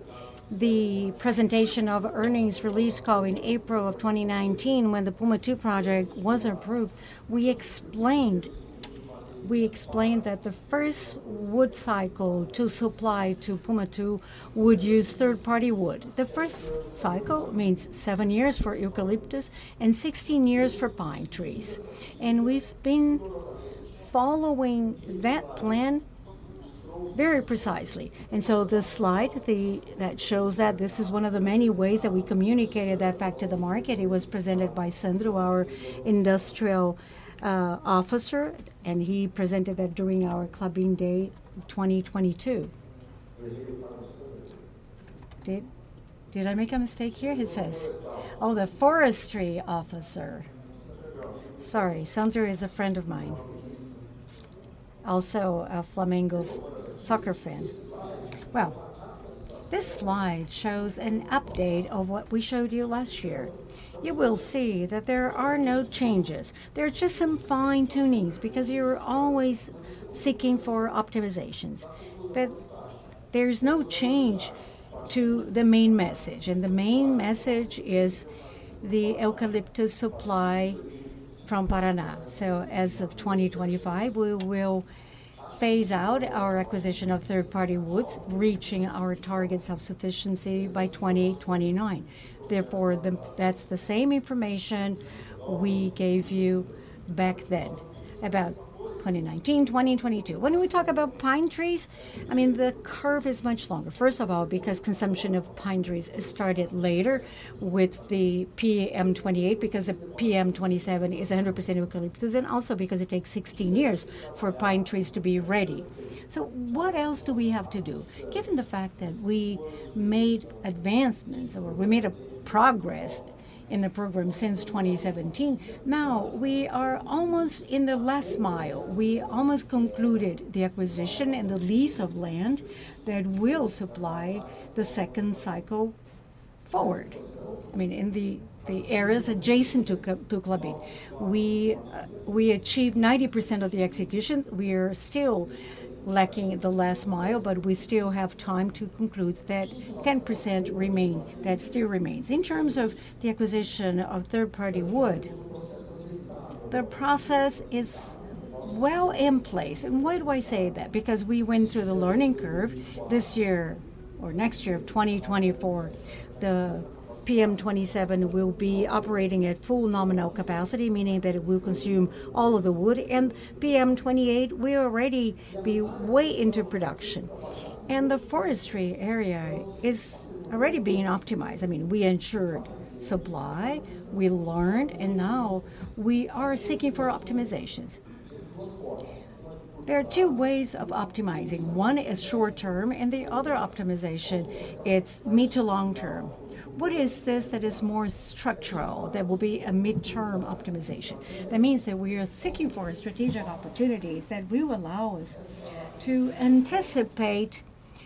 Speaker 2: the presentation of earnings release call in April of 2019, when the Puma II project was approved, we explained that the first wood cycle to supply to Puma II would use third-party wood. The first cycle means seven years for eucalyptus and 16 years for pine trees, and we've been following that plan very precisely. This slide, the that shows that this is one of the many ways that we communicated that fact to the market. It was presented by Sandro, our industrial officer, and he presented that during our Klabin Day 2022. Did I make a mistake here, he says?
Speaker 3: Forestry officer.
Speaker 2: Oh, the forestry officer.
Speaker 3: Sandro.
Speaker 2: Sorry. Sandro is a friend of mine, also a Flamengo soccer fan. Well, this slide shows an update of what we showed you last year. You will see that there are no changes. There are just some fine-tunings, because you're always seeking for optimizations. But there's no change to the main message, and the main message is the eucalyptus supply from Paraná. So as of 2025, we will phase out our acquisition of third-party woods, reaching our target self-sufficiency by 2029. Therefore, that's the same information we gave you back then, about 2019, 2022. When we talk about pine trees, I mean, the curve is much longer. First of all, because consumption of pine trees started later with the PM28, because the PM27 is 100% eucalyptus, and also because it takes 16 years for pine trees to be ready. So what else do we have to do? Given the fact that we made advancements or wemade a progress in the program since 2017. Now, we are almost in the last mile. We almost concluded the acquisition and the lease of land that will supply the second cycle forward, I mean, in the areas adjacent to Klabin. We achieved 90% of the execution. We're still lacking the last mile, but we still have time to conclude that 10% remain, that still remains. In terms of the acquisition of third-party wood, the process is well in place. And why do I say that? Because we went through the learning curve. This year or next year of 2024, the PM27 will be operating at full nominal capacity, meaning that it will consume all of the wood, and PM28 will already be way into production. And the forestry area is already being optimized. I mean, we ensured supply, we learned, and now we are seeking for optimizations. There are two ways of optimizing: one is short term, and the other optimization, it's mid to long term. What is this that is more structural, that will be a midterm optimization? That means that we are seeking for strategic opportunities that will allow us to anticipate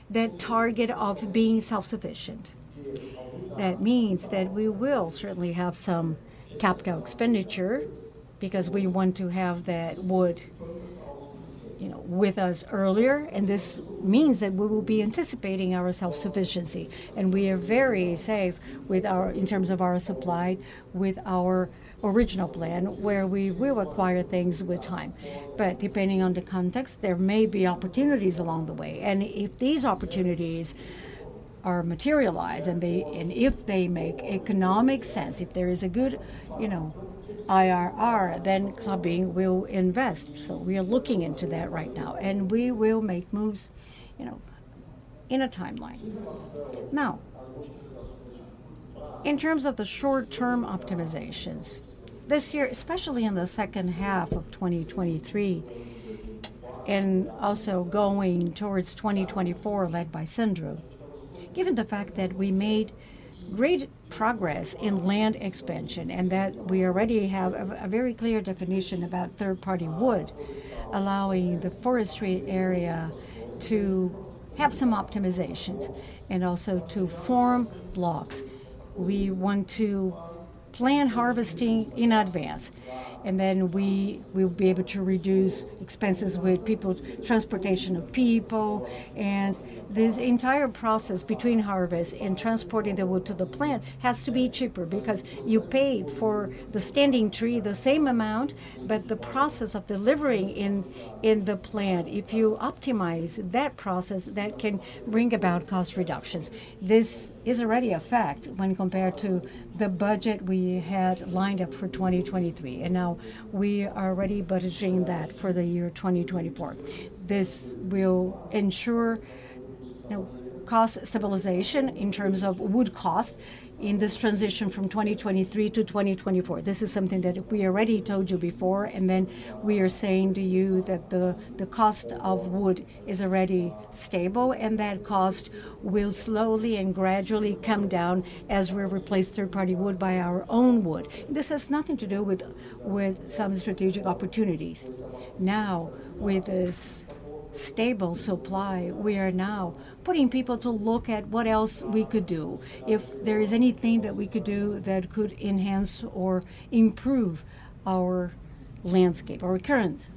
Speaker 2: that target of being self-sufficient. That means that we will certainly have some capital expenditure, because we want to have that wood, you know, with us earlier, and this means that we will be anticipating our self-sufficiency. And we are very safe with our, in terms of our supply, with our original plan, where we will acquire things with time. But depending on the context, there may be opportunities along the way, and if these opportunities are materialized, and if they make economic sense, if there is a good, you know, IRR, then Klabin will invest. So we are looking into that right now, and we will make moves, you know, in a timeline. Now, in terms of the short-term optimizations, this year, especially in the second half of 2023, and also going towards 2024, led by Sandro, given the fact that we made great progress in land expansion and that we already have a very clear definition about third-party wood, allowing the forestry area to have some optimizations and also to form blocks. We want to plan harvesting in advance, and then we will be able to reduce expenses with people transportation of people. This entire process between harvest and transporting the wood to the plant has to be cheaper, because you pay for the standing tree the same amount, but the process of delivering in the plant, if you optimize that process, that can bring about cost reductions. This is already a fact when compared to the budget we had lined up for 2023, and now we are already budgeting that for the year 2024. This will ensure, you know, cost stabilization in terms of wood cost in this transition from 2023 to 2024. This is something that we already told you before, and then we are saying to you that the cost of wood is already stable, and that cost will slowly and gradually come down as we replace third-party wood by our own wood. This has nothing to do with some strategic opportunities. Now, with this stable supply, we are now putting people to look at what else we could do. If there is anything that we could do that could enhance or improve our landscape, our current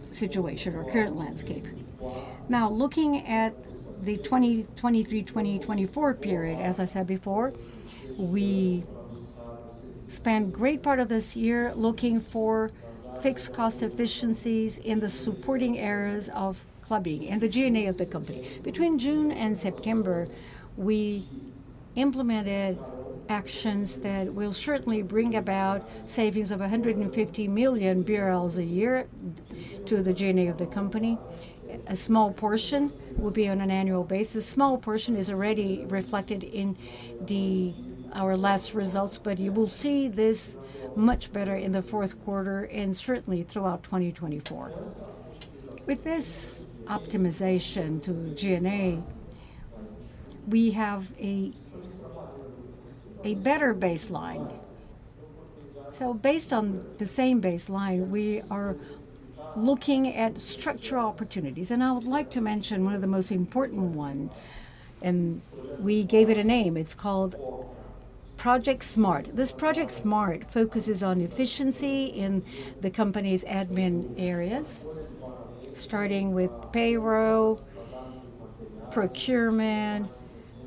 Speaker 2: situation or current landscape. Now, looking at the 2023-2024 period, as I said before, we spent great part of this year looking for fixed cost efficiencies in the supporting areas of Klabin and the G&A of the company. Between June and September, we implemented actions that will certainly bring about savings of 150 million a year to the G&A of the company. A small portion will be on an annual basis. Small portion is already reflected in our last results, but you will see this much better in the fourth quarter and certainly throughout 2024. With this optimization to G&A, we have a better baseline. So based on the same baseline, we are looking at structural opportunities, and I would like to mention one of the most important one, and we gave it a name. It's called Project Smart. This Project Smart focuses on efficiency in the company's admin areas, starting with payroll, procurement,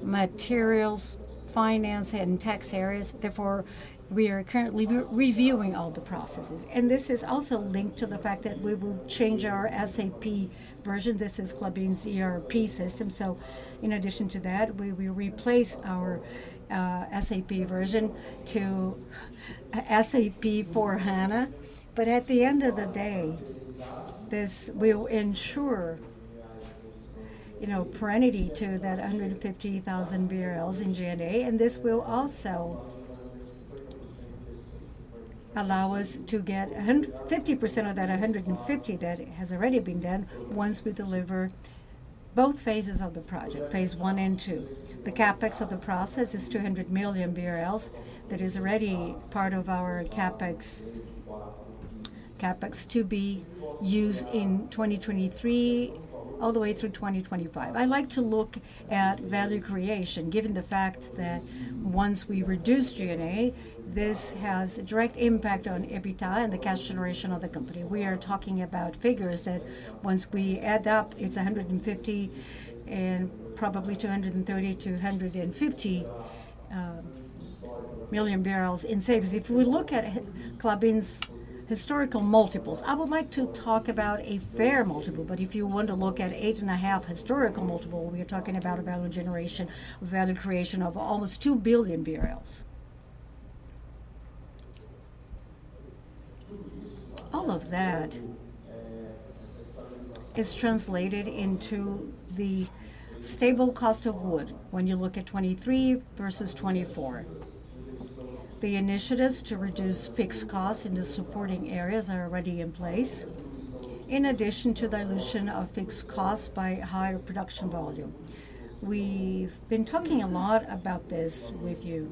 Speaker 2: materials, finance, and tax areas. Therefore, we are currently re-reviewing all the processes. And this is also linked to the fact that we will change our SAP version. This is Klabin's ERP system. So in addition to that, we will replace our SAP version to S/4HANA. But at the end of the day, this will ensure, you know, serenity to that 150,000 BRL in G&A, and this will also allow us to get 150% of that, 150 that has already been done once we deliver both phases of the project, phase I and II. The CapEx of the process is 200 million BRL. That is already part of our CapEx, CapEx to be used in 2023 all the way through 2025. I like to look at value creation, given the fact that once we reduce G&A, this has a direct impact on EBITDA and the cash generation of the company. We are talking about figures that once we add up, it's 150 and probably 230-150 million in savings. If we look at Klabin's historical multiples, I would like to talk about a fair multiple, but if you want to look at 8.5 historical multiple, we are talking about a value generation, value creation of almost 2 billion reais. All of that is translated into the stable cost of wood when you look at 2023 versus 2024. The initiatives to reduce fixed costs in the supporting areas are already in place, in addition to dilution of fixed costs by higher production volume. We've been talking a lot about this with you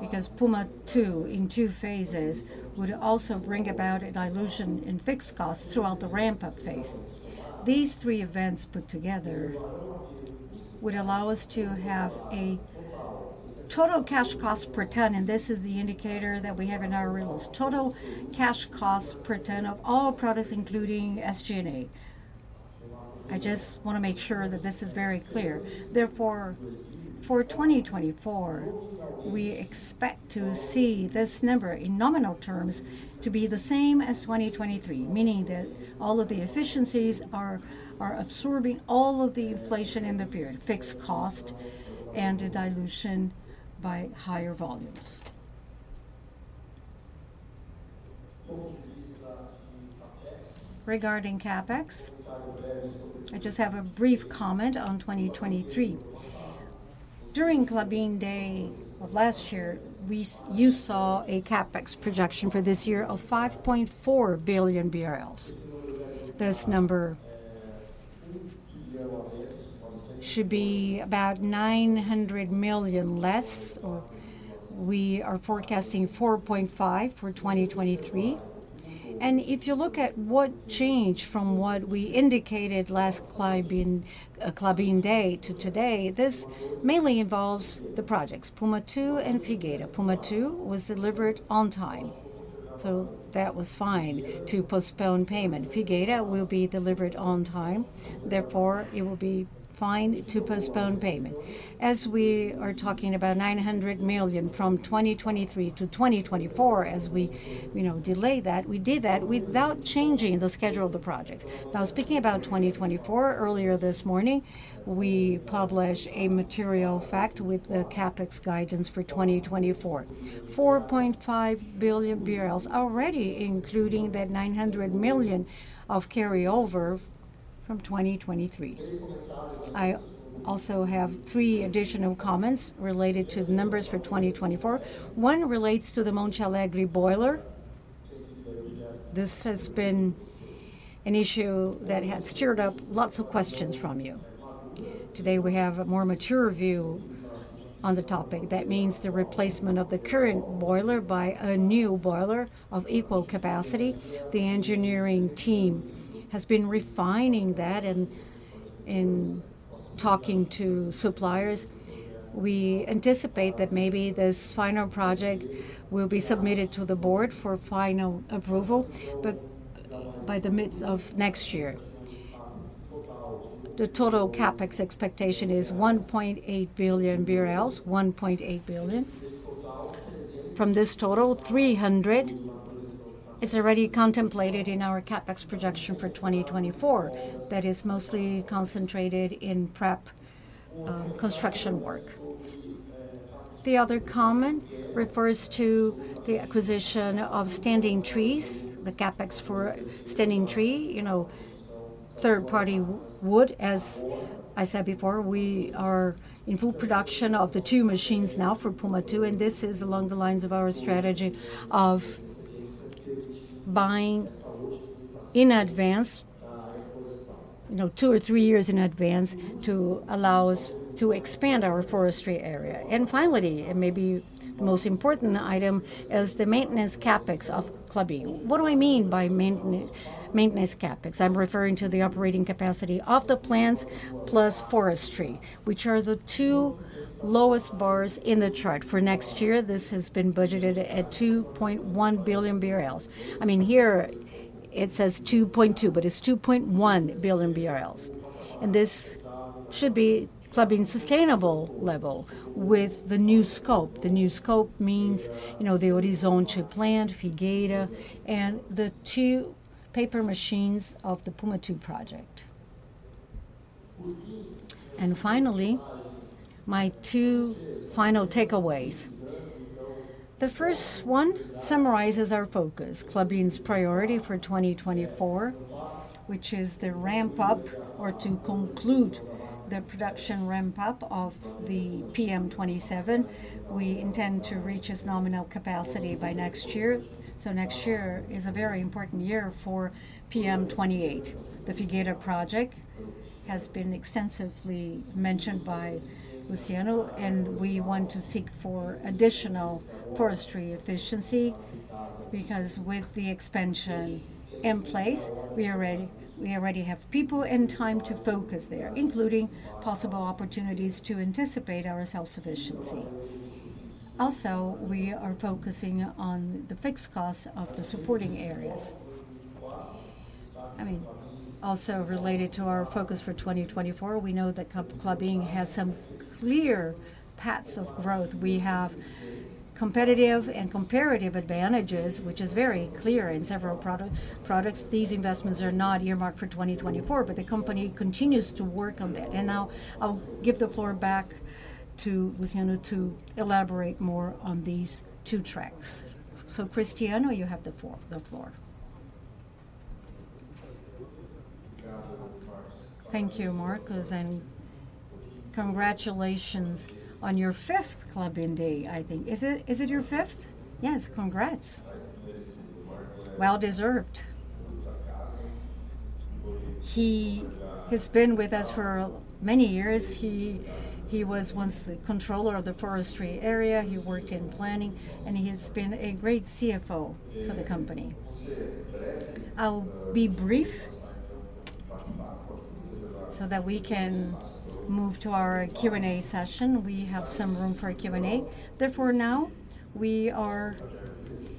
Speaker 2: because Puma II, in II phases, would also bring about a dilution in fixed costs throughout the ramp-up phase. These three events put together would allow us to have a total cash cost per ton, and this is the indicator that we have in our rules, total cash costs per ton of all products, including SG&A. I just want to make sure that this is very clear. Therefore, for 2024, we expect to see this number in nominal terms to be the same as 2023, meaning that all of the efficiencies are absorbing all of the inflation in the period, fixed cost and the dilution by higher volumes. Regarding CapEx, I just have a brief comment on 2023. During Klabin Day of last year, we, you saw a CapEx projection for this year of 5.4 billion BRL. This number should be about 900 million less, or we are forecasting 4.5 billion for 2023. If you look at what changed from what we indicated last Klabin Day to today, this mainly involves the projects, Puma II and Figueira. Puma II was delivered on time, so that was fine to postpone payment. Figueira will be delivered on time, therefore, it will be fine to postpone payment. As we are talking about 900 million from 2023 to 2024, as we, you know, delay that, we did that without changing the schedule of the projects. Now, speaking about 2024, earlier this morning, we published a material fact with the CapEx guidance for 2024. 4.5 billion reais, already including that 900 million of carryover from 2023. I also have three additional comments related to the numbers for 2024. One relates to the Monte Alegre boiler. This has been an issue that has stirred up lots of questions from you. Today, we have a more mature view on the topic. That means the replacement of the current boiler by a new boiler of equal capacity. The engineering team has been refining that in talking to suppliers. We anticipate that maybe this final project will be submitted to the board for final approval, but by the midst of next year. The total CapEx expectation is 1.8 billion BRL, 1.8 billion. From this total, 300 is already contemplated in our CapEx projection for 2024. That is mostly concentrated in prep, construction work. The other comment refers to the acquisition of standing trees, the CapEx for standing tree, you know, third-party wood. As I said before, we are in full production of the two machines now for Puma II, and this is along the lines of our strategy of buying in advance, you know, two or three years in advance, to allow us to expand our forestry area. And finally, and maybe the most important item, is the maintenance CapEx of Klabin. What do I mean by maintenance CapEx? I'm referring to the operating capacity of the plants plus forestry, which are the two lowest bars in the chart. For next year, this has been budgeted at 2.1 billion BRL. I mean, here it says 2.2, but it's 2.1 billion BRL, and this should be Klabin sustainable level with the new scope. The new scope means, you know, the Horizonte plant, Figueira, and the two paper machines of the Puma II project. And finally, my two final takeaways. The first one summarizes our focus, Klabin's priority for 2024, which is the ramp-up or to conclude the production ramp-up of the PM27. We intend to reach its nominal capacity by next year. So next year is a very important year for PM28. The Figueira project has been extensively mentioned by Luciano, and we want to seek for additional forestry efficiency, because with the expansion in place, we already, we already have people and time to focus there, including possible opportunities to anticipate our self-sufficiency. Also, we are focusing on the fixed costs of the supporting areas. I mean, also related to our focus for 2024, we know that Klabin has some clear paths of growth. We have competitive and comparative advantages, which is very clear in several product, products. These investments are not earmarked for 2024, but the company continues to work on that. And I'll, I'll give the floor back to Luciano to elaborate more on these two tracks. So Cristiano, you have the floor, the floor.
Speaker 1: Thank you, Marcos, and congratulations on your fifth Klabin Day, I think. Is it, is it your fifth? Yes. Congrats! Well deserved. He has been with us for many years. He, he was once the controller of the forestry area, he worked in planning, and he has been a great CFO for the company. I'll be brief so that we can move to our Q&A session. We have some room for a Q&A. Therefore, now, we are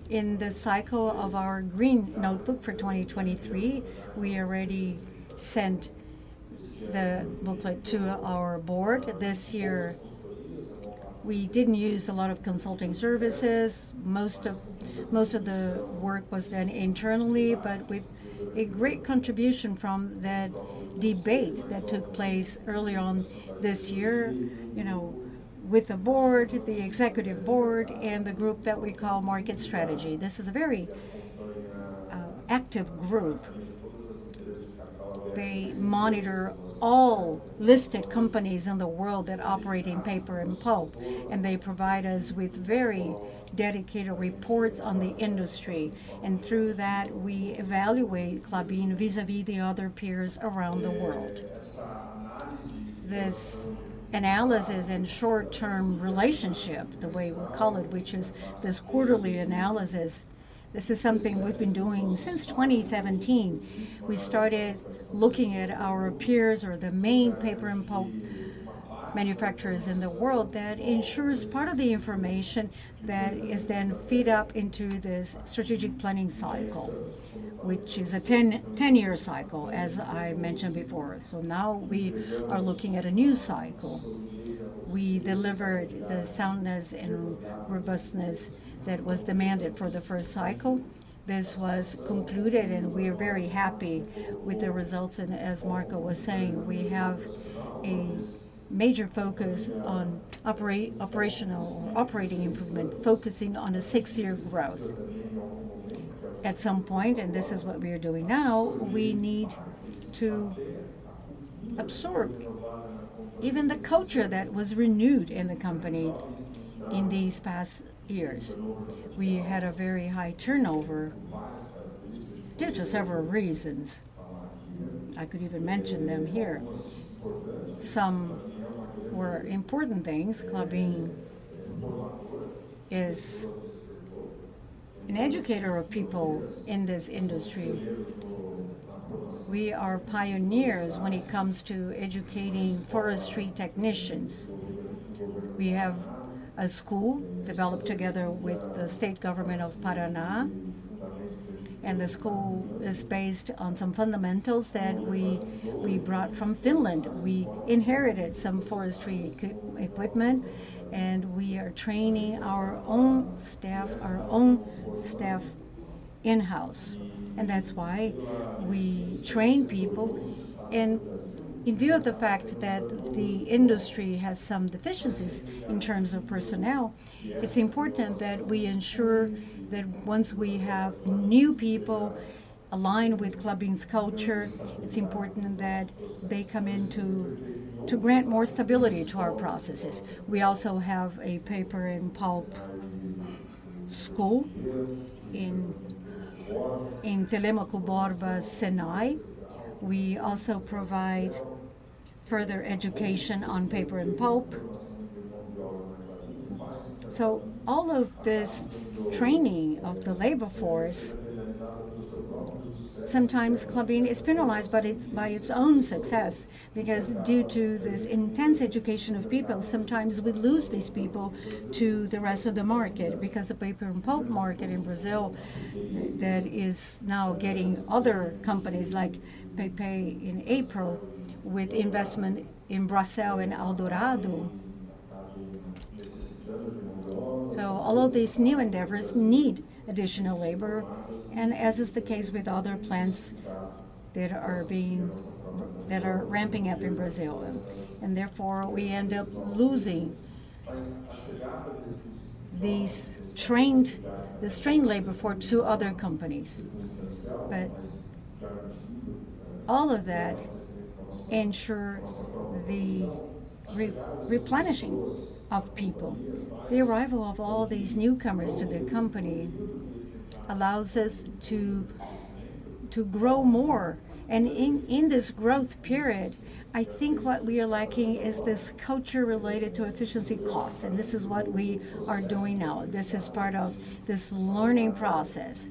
Speaker 1: in the cycle of our green notebook for 2023. We already sent the booklet to our board. This year, we didn't use a lot of consulting services. Most of the work was done internally, but with a great contribution from that debate that took place early on this year, you know, with the board, the executive board, and the group that we call market strategy. This is a very active group. They monitor all listed companies in the world that operate in paper and pulp, and they provide us with very dedicated reports on the industry, and through that, we evaluate Klabin vis-à-vis the other peers around the world. This analysis and short-term relationship, the way we call it, which is this quarterly analysis, this is something we've been doing since 2017. We started looking at our peers or the main paper and pulp manufacturers in the world. That ensures part of the information that is then fed up into this strategic planning cycle, which is a 10-year cycle, as I mentioned before. So now we are looking at a new cycle. We delivered the soundness and robustness that was demanded for the first cycle. This was concluded, and we are very happy with the results. And as Marco was saying, we have a major focus on operational improvement, focusing on a six-year growth. At some point, and this is what we are doing now, we need to absorb even the culture that was renewed in the company in these past years. We had a very high turnover due to several reasons. I could even mention them here. Some were important things. Klabin is an educator of people in this industry. We are pioneers when it comes to educating forestry technicians. We have a school developed together with the state government of Paraná, and the school is based on some fundamentals that we brought from Finland. We inherited some forestry equipment, and we are training our own staff in-house, and that's why we train people. In view of the fact that the industry has some deficiencies in terms of personnel, it's important that we ensure that once we have new people aligned with Klabin's culture, it's important that they come in to grant more stability to our processes. We also have a paper and pulp school in Telêmaco Borba, SENAI. We also provide further education on paper and pulp. So all of this training of the labor force, sometimes Klabin is penalized by its own success, because due to this intense education of people, sometimes we lose these people to the rest of the market, because the paper and pulp market in Brazil that is now getting other companies like Suzano in April, with investment in Brazil, in Eldorado. So all of these new endeavors need additional labor, and as is the case with other plants that are ramping up in Brazil, and therefore, we end up losing this trained labor to other companies. But all of that ensures the replenishing of people. The arrival of all these newcomers to the company allows us to grow more. And in this growth period, I think what we are lacking is this culture related to efficiency cost, and this is what we are doing now. This is part of this learning process.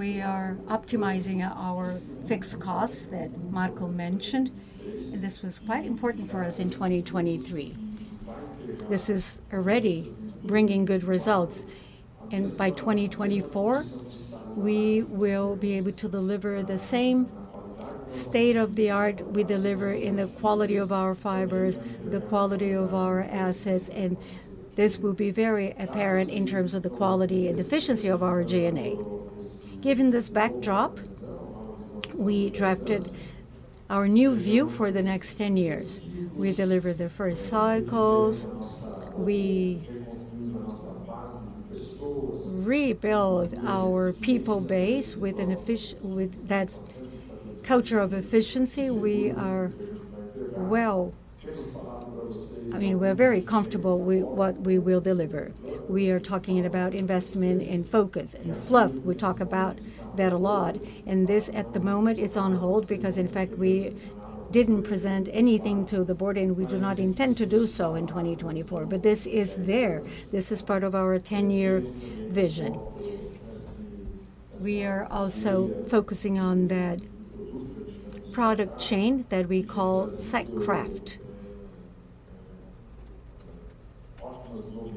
Speaker 1: We are optimizing our fixed costs that Marco mentioned, and this was quite important for us in 2023. This is already bringing good results, and by 2024, we will be able to deliver the same state-of-the-art we deliver in the quality of our fibers, the quality of our assets, and this will be very apparent in terms of the quality and efficiency of our G&A. Given this backdrop, we drafted our new view for the next 10 years. We deliver the first cycles, we rebuild our people base with that culture of efficiency. We are well... I mean, we're very comfortable with what we will deliver. We are talking about investment in focus and fluff. We talk about that a lot, and this, at the moment, it's on hold because, in fact, we didn't present anything to the board, and we do not intend to do so in 2024. But this is there. This is part of our ten-year vision. We are also focusing on that product chain that we call Sack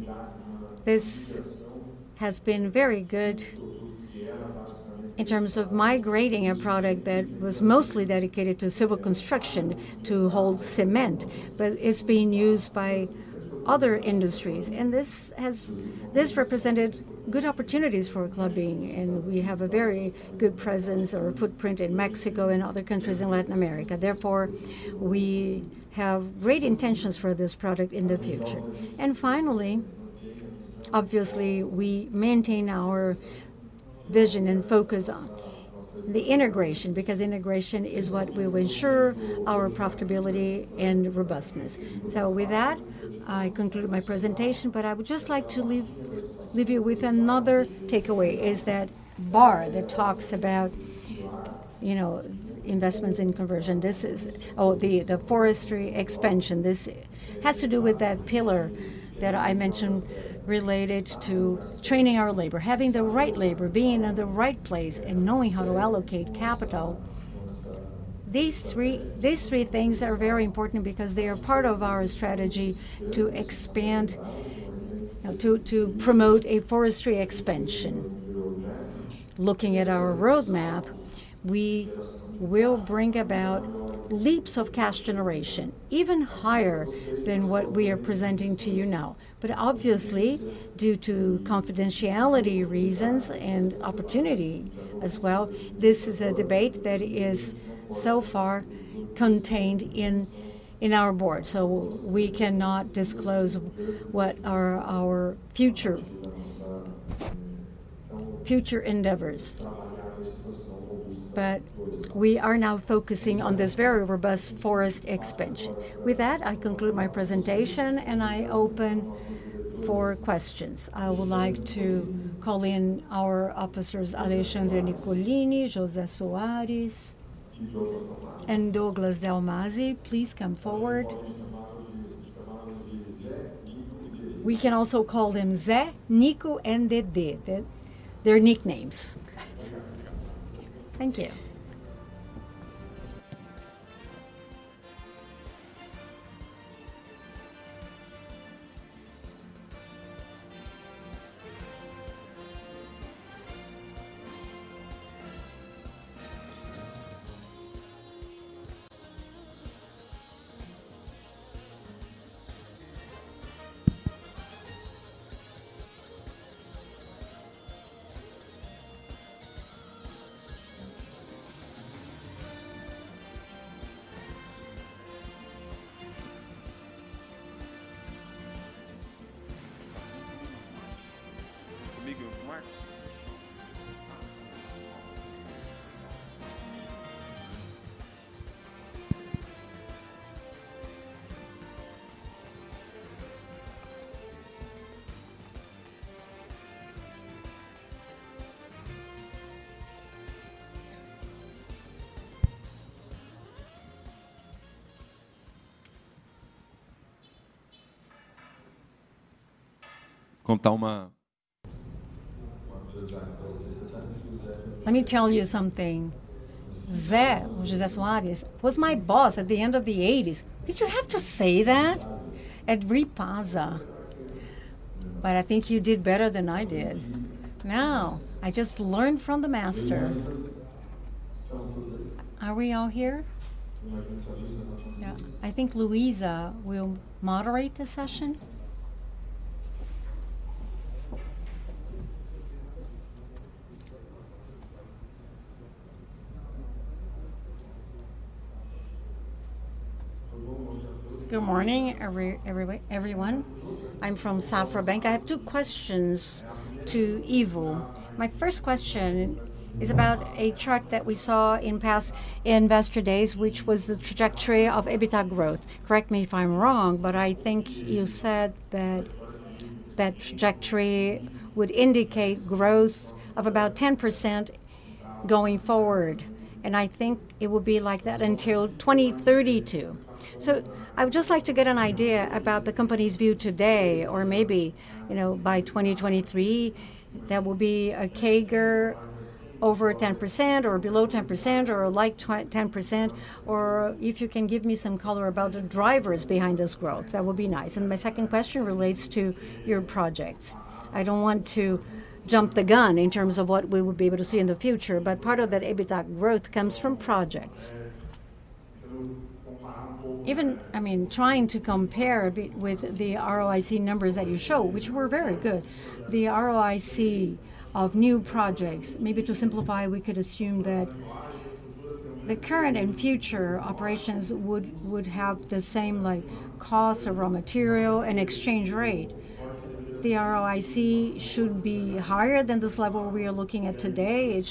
Speaker 1: Kraft. This has been very good in terms of migrating a product that was mostly dedicated to civil construction, to hold cement, but it's being used by other industries, and this has, this represented good opportunities for Klabin, and we have a very good presence or footprint in Mexico and other countries in Latin America. Therefore, we have great intentions for this product in the future. And finally, obviously, we maintain our vision and focus on the integration, because integration is what will ensure our profitability and robustness. So with that, I conclude my presentation, but I would just like to leave you with another takeaway, is that bar that talks about, you know, investments in conversion. This is the forestry expansion. This has to do with that pillar that I mentioned related to training our labor, having the right labor, being in the right place, and knowing how to allocate capital. These three things are very important because they are part of our strategy to expand, to promote a forestry expansion. Looking at our roadmap, we will bring about leaps of cash generation, even higher than what we are presenting to you now. But obviously, due to confidentiality reasons and opportunity as well, this is a debate that is so far contained in our board, so we cannot disclose what are our future endeavors. But we are now focusing on this very robust forest expansion. With that, I conclude my presentation, and I open for questions. I would like to call in our officers, Alexandre Nicolini, José Soares, and Douglas Dalmasi. Please come forward. We can also call them Zé, Nico, and DD. They're nicknames. Thank you.
Speaker 4: Let me tell you something. Zé, José Soares, was my boss at the end of the 1980s. Did you have to say that? At Repasa. I think you did better than I did. Now, I just learned from the master. Are we all here Yeah, I think Luisa will moderate the session.
Speaker 5: Good morning, everybody, everyone. I'm from Safra Bank. I have two questions to Ivo. My first question is about a chart that we saw in past Investor Days, which was the trajectory of EBITDA growth. Correct me if I'm wrong, but I think you said that that trajectory would indicate growth of about 10% going forward, and I think it will be like that until 2032. So I would just like to get an idea about the company's view today, or maybe, you know, by 2023, that will be a CAGR over 10%, or below 10%, or like 10%, or if you can give me some color about the drivers behind this growth, that would be nice. And my second question relates to your projects?
Speaker 2: I don't want to jump the gun in terms of what we will be able to see in the future, but part of that EBITDA growth comes from projects. I mean, trying to compare with the ROIC numbers that you show, which were very good, the ROIC of new projects, maybe to simplify, we could assume that the current and future operations would have the same like costs of raw material and exchange rate. The ROIC should be higher than this level we are looking at today? It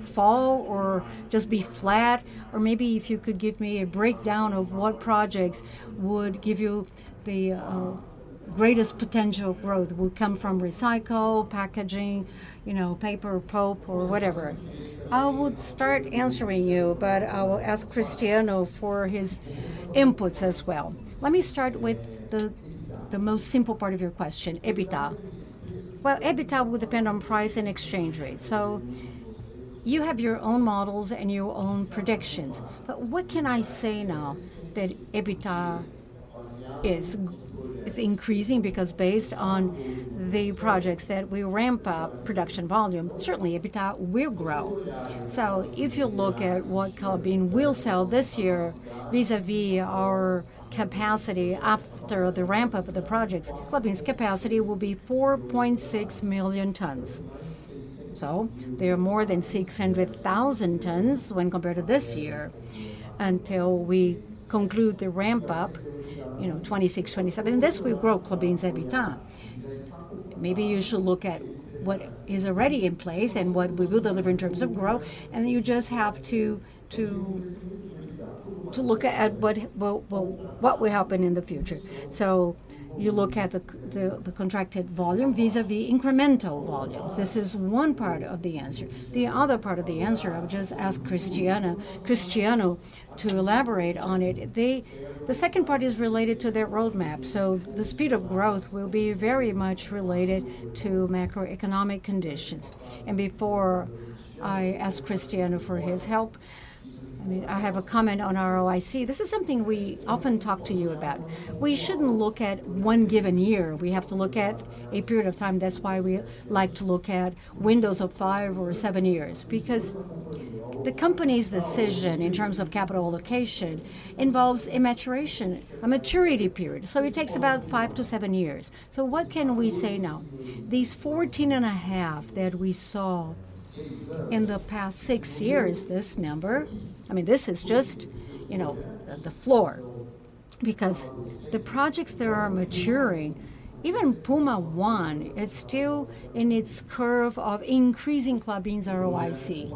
Speaker 2: should fall or just be flat? Or maybe if you could give me a breakdown of what projects would give you the greatest potential growth. Would come from recycle, packaging, you know, paper, pulp, or whatever. I would start answering you, but I will ask Cristiano for his inputs as well.
Speaker 1: Let me start with the most simple part of your question, EBITDA. Well, EBITDA will depend on price and exchange rate. So you have your own models and your own predictions, but what can I say now that EBITDA is increasing? Because based on the projects that we ramp up production volume, certainly EBITDA will grow. So if you look at what Klabin will sell this year, vis-à-vis our capacity after the ramp-up of the projects, Klabin's capacity will be 4.6 million tons. So they are more than 600,000 tons when compared to this year, until we conclude the ramp-up, you know, 2026, 2027, and this will grow Klabin's EBITDA. Maybe you should look at what is already in place and what we will deliver in terms of growth, and you just have to look at what will happen in the future. So you look at the contracted volume vis-à-vis incremental volumes. This is one part of the answer. The other part of the answer, I would just ask Cristiano to elaborate on it. The second part is related to the roadmap, so the speed of growth will be very much related to macroeconomic conditions. And before I ask Cristiano for his help, I mean, I have a comment on ROIC. This is something we often talk to you about. We shouldn't look at one given year. We have to look at a period of time. That's why we like to look at windows of five or seven years, because the company's decision in terms of capital allocation involves a maturation, a maturity period, so it takes about five to seven years. So what can we say now? These 14.5 that we saw in the past six years, this number, I mean, this is just, you know, the, the floor, because the projects that are maturing, even Puma One, it's still in its curve of increasing Klabin's ROIC.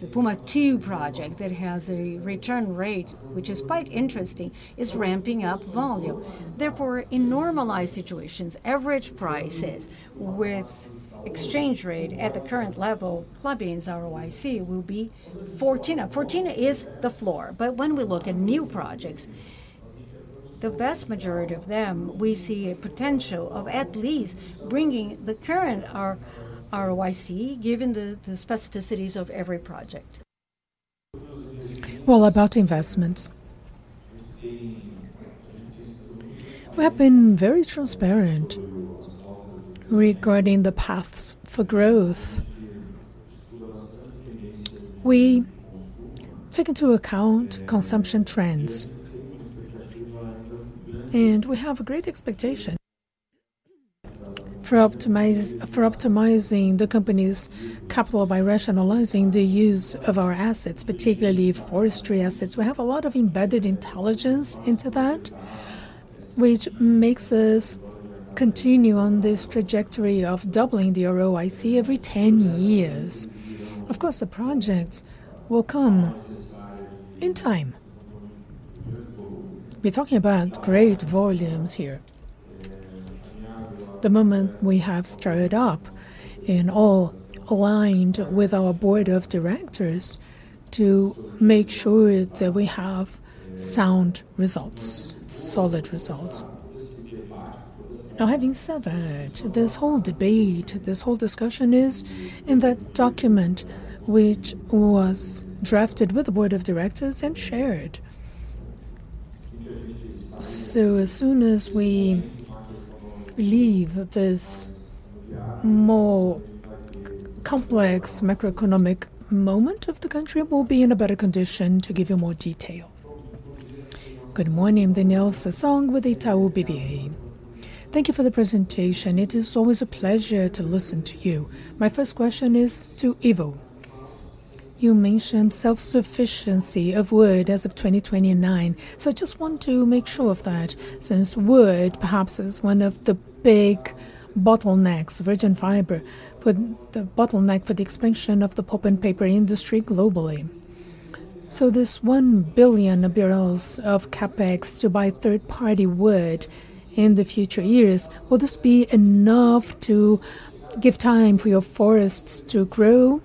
Speaker 1: The Puma II project that has a return rate, which is quite interesting, is ramping up volume. Therefore, in normalized situations, average prices with exchange rate at the current level, Klabin's ROIC will be 14. 14 is the floor, but when we look at new projects, the vast majority of them, we see a potential of at least bringing the current ROIC, given the specificities of every project.
Speaker 5: Well, about investments. We have been very transparent regarding the paths for growth. We take into account consumption trends, and we have a great expectation for optimizing the company's capital by rationalizing the use of our assets, particularly forestry assets. We have a lot of embedded intelligence into that, which makes us continue on this trajectory of doubling the ROIC every 10 years. Of course, the projects will come in time. We're talking about great volumes here. The moment we have started up and all aligned with our board of directors to make sure that we have sound results, solid results. Now, having said that, this whole debate, this whole discussion, is in that document which was drafted with the board of directors and shared. As soon as we leave this more complex macroeconomic moment of the country, we'll be in a better condition to give you more detail. Good morning, Danielle Sasson with Itaú BBA. Thank you for the presentation. It is always a pleasure to listen to you. My first question is to Ivo. You mentioned self-sufficiency of wood as of 2029, so I just want to make sure of that, since wood perhaps is one of the big bottlenecks, virgin fiber, for the bottleneck for the expansion of the pulp and paper industry globally. So this 1 billion of CapEx to buy third-party wood in the future years, will this be enough to give time for your forests to grow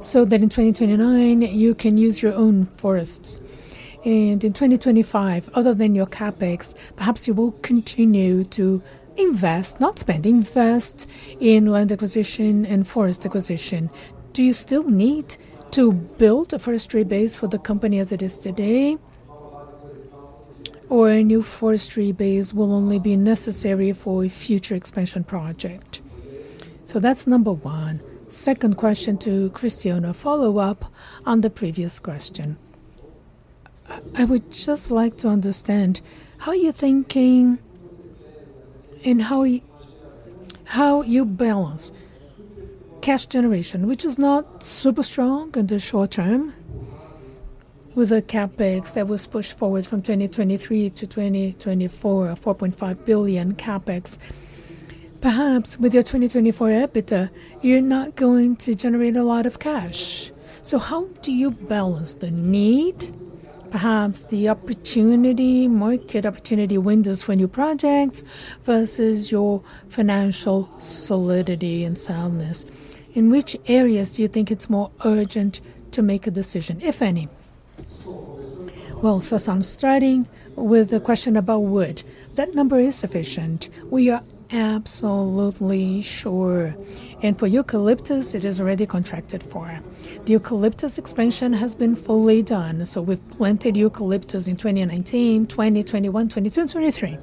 Speaker 5: so that in 2029 you can use your own forests? In 2025, other than your CapEx, perhaps you will continue to invest, not spend, invest in land acquisition and forest acquisition. Do you still need to build a forestry base for the company as it is today? Or a new forestry base will only be necessary for a future expansion project? That's number one. Second question to Cristiano, a follow-up on the previous question. I, I would just like to understand how you're thinking and how you, how you balance cash generation, which is not super strong in the short term, with a CapEx that was pushed forward from 2023 to 2024, a 4.5 billion CapEx. Perhaps with your 2024 EBITDA, you're not going to generate a lot of cash. So how do you balance the need, perhaps the opportunity, market opportunity windows for new projects, versus your financial solidity and soundness? In which areas do you think it's more urgent to make a decision, if any?
Speaker 2: Well, so I'm starting with a question about wood. That number is sufficient. We are absolutely sure, and for eucalyptus, it is already contracted for. The eucalyptus expansion has been fully done, so we've planted eucalyptus in 2019, 2021, 2022, 2023, and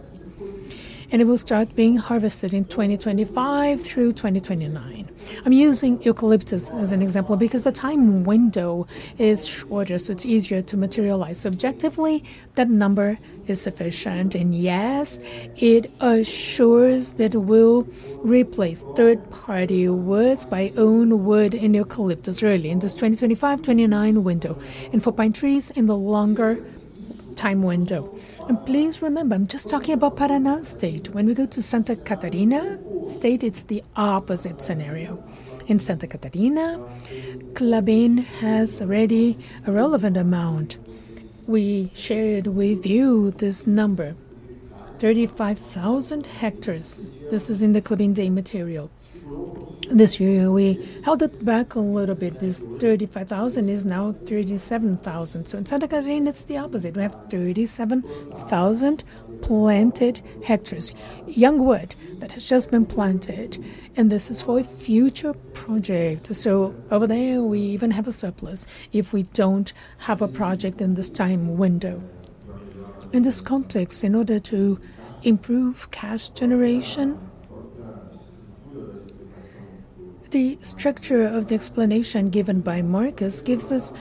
Speaker 2: it will start being harvested in 2025 through 2029. I'm using eucalyptus as an example because the time window is shorter, so it's easier to materialize. Subjectively, that number is sufficient, and yes, it assures that we'll replace third-party woods by own wood in eucalyptus early, in this 2025, 2029 window, and for pine trees in the longer time window. And please remember, I'm just talking about Paraná State. When we go to Santa Catarina State, it's the opposite scenario. In Santa Catarina, Klabin has already a relevant amount. We shared with you this number, 35,000 hectares. This is in the Klabin Day material. This year, we held it back a little bit. This 35,000 is now 37,000. So in Santa Catarina, it's the opposite. We have 37,000 planted hectares, young wood that has just been planted, and this is for a future project. So over there, we even have a surplus if we don't have a project in this time window. In this context, in order to improve cash generation, the structure of the explanation given by Marcus gives us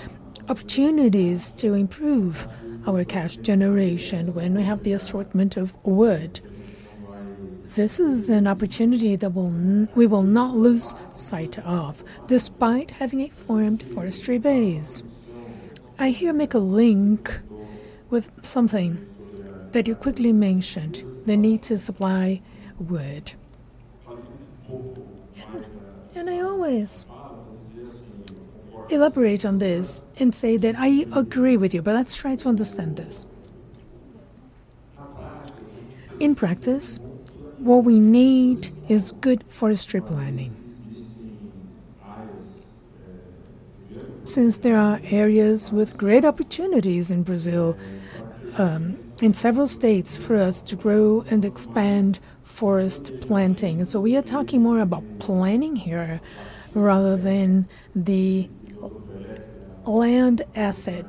Speaker 2: opportunities to improve our cash generation when we have the assortment of wood. This is an opportunity that we will not lose sight of, despite having a formed forestry base. I here make a link with something that you quickly mentioned, the need to supply wood. Yeah. And I always elaborate on this and say that I agree with you, but let's try to understand this. In practice, what we need is good forest strip planning. Since there are areas with great opportunities in Brazil, in several states for us to grow and expand forest planting. So we are talking more about planning here, rather than the land asset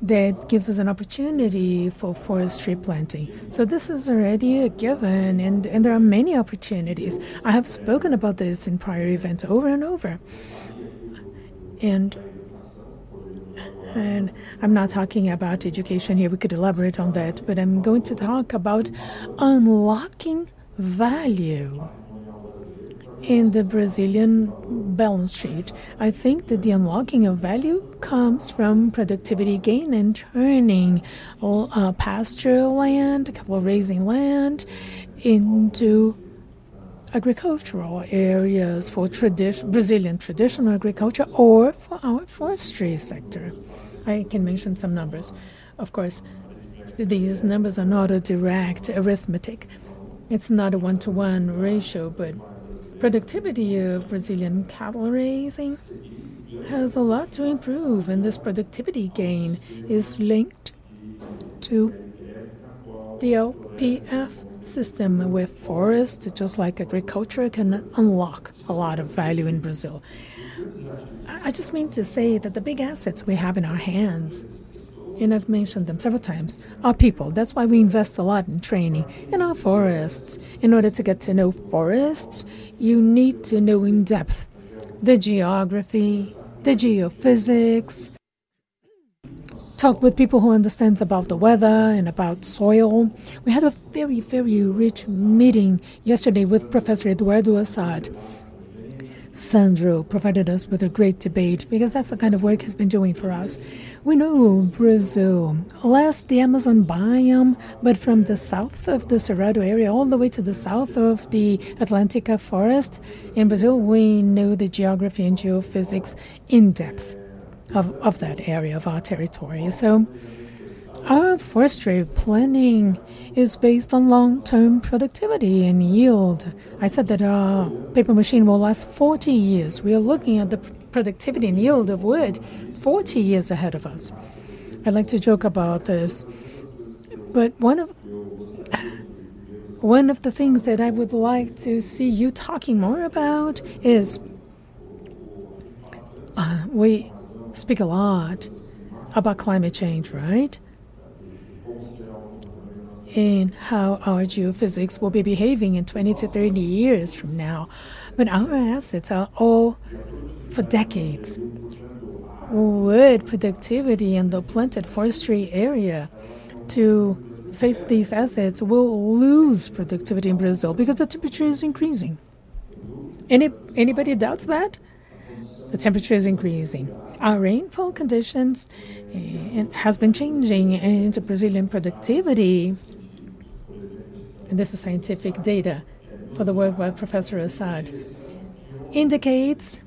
Speaker 2: that gives us an opportunity for forestry planting. So this is already a given, and, and there are many opportunities. I have spoken about this in prior events over and over. And, and I'm not talking about education here, we could elaborate on that, but I'm going to talk about unlocking value in the Brazilian balance sheet. I think that the unlocking of value comes from productivity gain and turning all pasture land, cattle raising land, into agricultural areas for Brazilian traditional agriculture or for our forestry sector. I can mention some numbers. Of course, these numbers are not a direct arithmetic. It's not a one-to-one ratio, but productivity of Brazilian cattle raising has a lot to improve, and this productivity gain is linked to the LPF system, where forest, just like agriculture, can unlock a lot of value in Brazil. I just mean to say that the big assets we have in our hands and I've mentioned them several times, our people. That's why we invest a lot in training. In our forests, in order to get to know forests, you need to know in depth the geography, the geophysics, talk with people who understands about the weather and about soil. We had a very, very rich meeting yesterday with Professor Eduardo Assad. Sandro provided us with a great debate, because that's the kind of work he's been doing for us. We know Brazil, less the Amazon biome, but from the south of the Cerrado area, all the way to the south of the Atlantic Forest in Brazil, we know the geography and geophysics in depth of that area of our territory. So our forestry planning is based on long-term productivity and yield. I said that our paper machine will last 40 years. We are looking at the productivity and yield of wood 40 years ahead of us. I like to joke about this, but one of the things that I would like to see you talking more about is we speak a lot about climate change, right? And how our geophysics will be behaving in 20-30 years from now. But our assets are all for decades. Wood productivity and the planted forestry area to face these assets will lose productivity in Brazil because the temperature is increasing. Anybody doubts that? The temperature is increasing. Our rainfall conditions has been changing, and the Brazilian productivity, and this is scientific data for the work by Professor Assad, indicates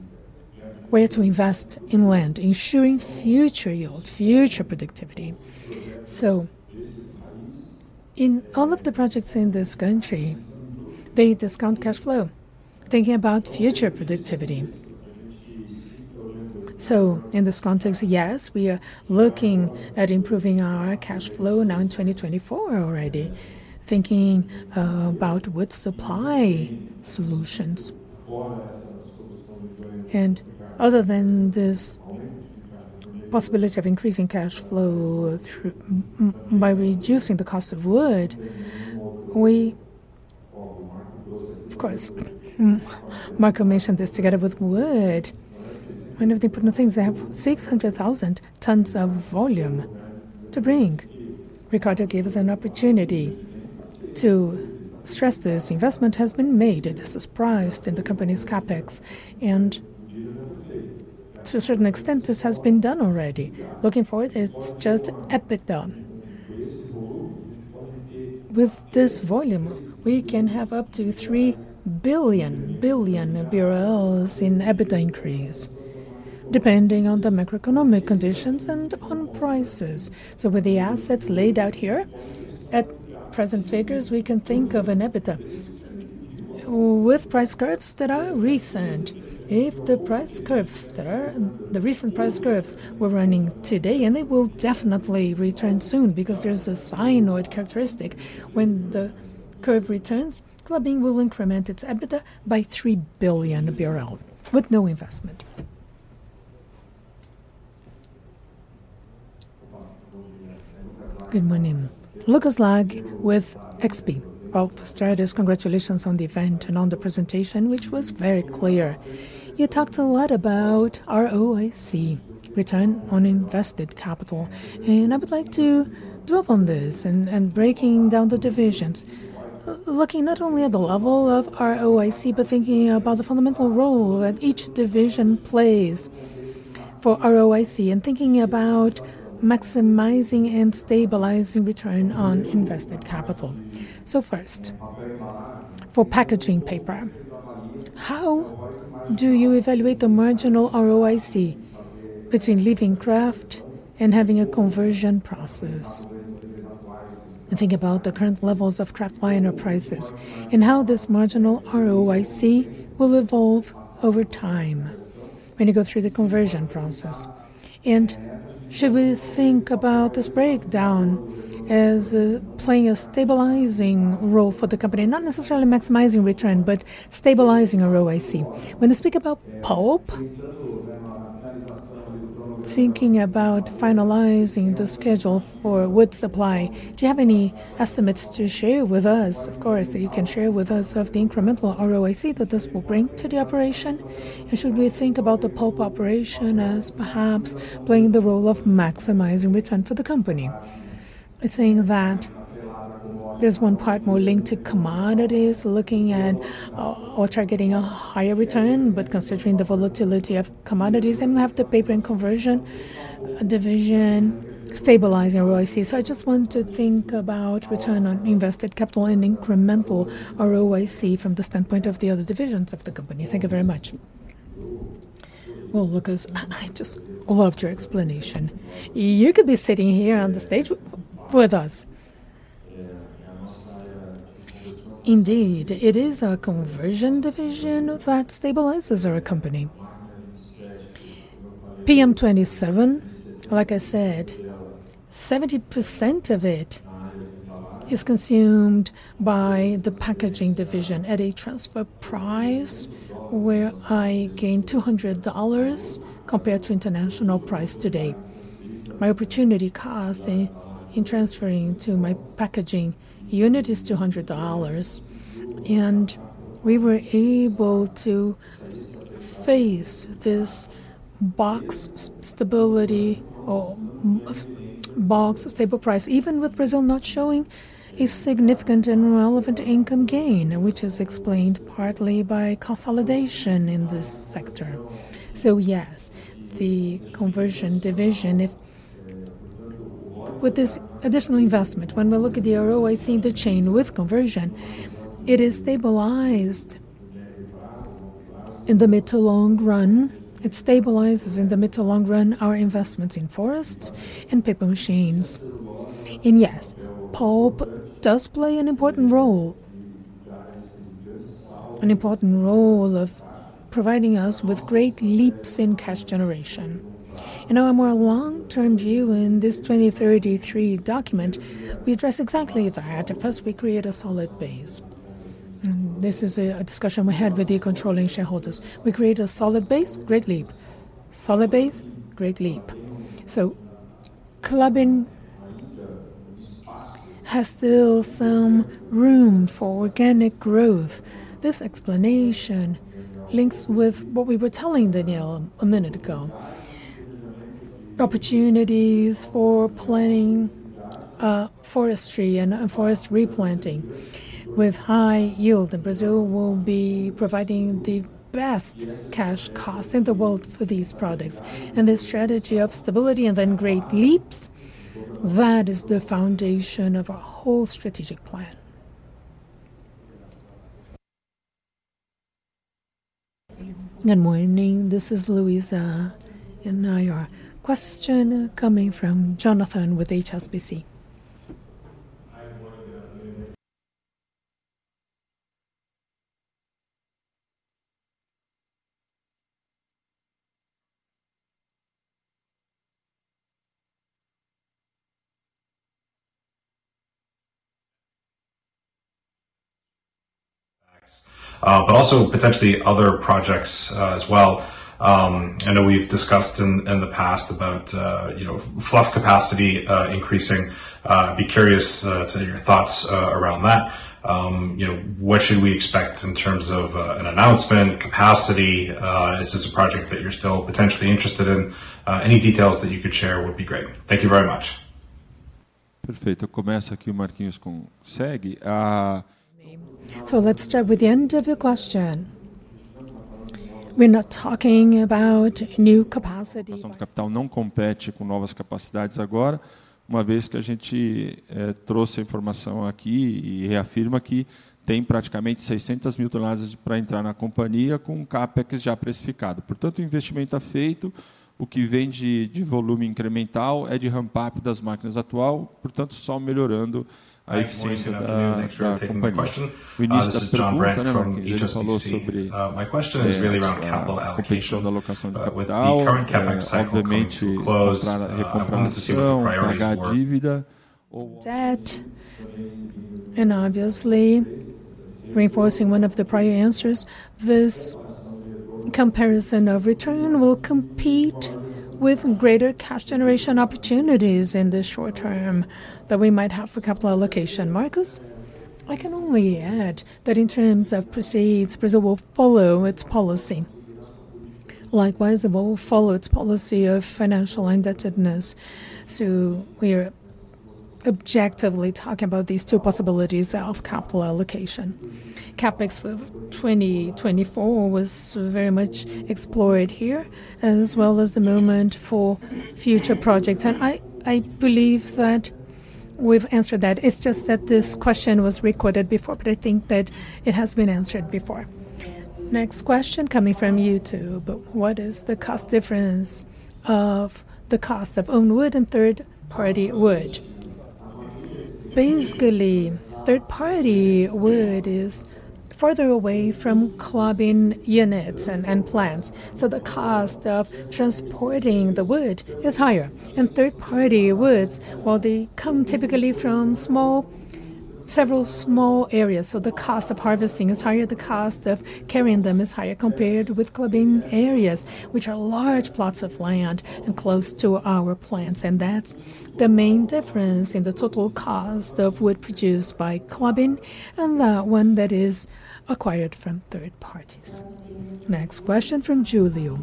Speaker 2: where to invest in land, ensuring future yield, future productivity. So in all of the projects in this country, they discount cash flow, thinking about future productivity. So in this context, yes, we are looking at improving our cash flow now in 2024 already, thinking about wood supply solutions. Other than this possibility of increasing cash flow through by reducing the cost of wood, of course, Marco mentioned this together with wood. One of the important things, they have 600,000 tons of volume to bring. Ricardo gave us an opportunity to stress this. Investment has been made, and this is priced in the company's CapEx, and to a certain extent, this has been done already. Looking forward, it's just EBITDA. With this volume, we can have up to 3 billion in EBITDA increase, depending on the macroeconomic conditions and on prices. So with the assets laid out here, at present figures, we can think of an EBITDA with price curves that are recent. If the price curves that are the recent price curves were running today, and they will definitely return soon because there's a sinusoid characteristic. When the curve returns, Klabin will increment its EBITDA by BRL 3 billion, with no investment.
Speaker 6: Good morning. Lucas Laghi with XP. Well, first, congratulations on the event and on the presentation, which was very clear. You talked a lot about ROIC, return on invested capital, and I would like to dwell on this and, and breaking down the divisions. Looking not only at the level of ROIC, but thinking about the fundamental role that each division plays for ROIC and thinking about maximizing and stabilizing return on invested capital. So first, for packaging paper, how do you evaluate the marginal ROIC between leaving kraft and having a conversion process? I think about the current levels of kraftliner prices and how this marginal ROIC will evolve over time when you go through the conversion process. And should we think about this breakdown as, playing a stabilizing role for the company, not necessarily maximizing return, but stabilizing ROIC? When you speak about pulp, thinking about finalizing the schedule for wood supply, do you have any estimates to share with us, of course, that you can share with us, of the incremental ROIC that this will bring to the operation? And should we think about the pulp operation as perhaps playing the role of maximizing return for the company? I think that there's one part more linked to commodities, looking at, or targeting a higher return, but considering the volatility of commodities and we have the paper and conversion division stabilizing ROIC. So I just want to think about return on invested capital and incremental ROIC from the standpoint of the other divisions of the company. Thank you very much.
Speaker 2: Well, Lucas, I just loved your explanation. You could be sitting here on the stage with us. Indeed, it is our conversion division that stabilizes our company. PM27, like I said, 70% of it is consumed by the packaging division at a transfer price where I gain $200 compared to international price today. My opportunity cost in transferring to my packaging unit is $200, and we were able to phase this box stability or box stable price, even with Brazil not showing a significant and relevant income gain, which is explained partly by consolidation in this sector. So yes, the conversion division, with this additional investment, when we look at the ROI in the chain with conversion, it is stabilized in the mid to long run. It stabilizes in the mid to long run our investments in forests and paper machines. Yes, pulp does play an important role, an important role of providing us with great leaps in cash generation. In our more long-term view, in this 2033 document, we address exactly that. First, we create a solid base. And this is a discussion we had with the controlling shareholders. We create a solid base, great leap. Solid base, great leap. So Klabin has still some room for organic growth. This explanation links with what we were telling Daniel a minute ago. Opportunities for planning, forestry and forest replanting with high yield, and Brazil will be providing the best cash cost in the world for these products. The strategy of stability and then great leaps, that is the foundation of our whole strategic plan.
Speaker 4: Good morning, this is Luisa, and now your question coming from Jonathan with HSBC.
Speaker 7: Hi, good morning, everyone. But also potentially other projects, as well. I know we've discussed in the past about, you know, fluff capacity increasing. Be curious to your thoughts around that. You know, what should we expect in terms of an announcement, capacity? Is this a project that you're still potentially interested in? Any details that you could share would be great. Thank you very much.
Speaker 2: Perfect. Let's start with the end of your question. We're not talking about new capacity.
Speaker 8: Good morning, everyone. Thanks for taking my question. This is Jon Brandt from HSBC. My question is really around capital allocation. With the current CapEx cycle coming to a close, I'm curious to see the priority for-
Speaker 2: Debt, and obviously reinforcing one of the prior answers, this comparison of return will compete with greater cash generation opportunities in the short term that we might have for capital allocation. Marcos? I can only add that in terms of proceeds, Brazil will follow its policy. Likewise, it will follow its policy of financial indebtedness, so we're objectively talking about these two possibilities of capital allocation. CapEx for 2024 was very much explored here, as well as the movement for future projects. I, I believe that we've answered that. It's just that this question was recorded before, but I think that it has been answered before.
Speaker 4: Next question coming from you two. But what is the cost difference of the cost of own wood and third-party wood?
Speaker 2: Basically, third-party wood is further away from Klabin units and plants, so the cost of transporting the wood is higher. And third-party woods, while they come typically from small-- several small areas, so the cost of harvesting is higher, the cost of carrying them is higher compared with Klabin areas, which are large plots of land and close to our plants. And that's the main difference in the total cost of wood produced by Klabin and the one that is acquired from third parties.
Speaker 4: Next question from Julio.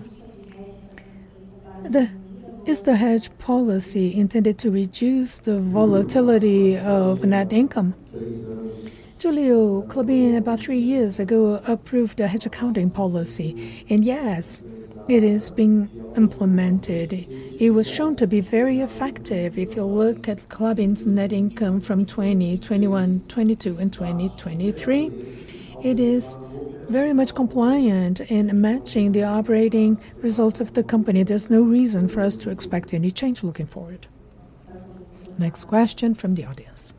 Speaker 4: Is the hedge policy intended to reduce the volatility of net income?
Speaker 2: Julio, Klabin, about three years ago, approved a hedge accounting policy, and yes, it is being implemented. It was shown to be very effective. If you look at Klabin's net income from 2020, 2021, 2022 and 2023, it is very much compliant in matching the operating results of the company. There's no reason for us to expect any change looking forward.
Speaker 5: Next question from the audience.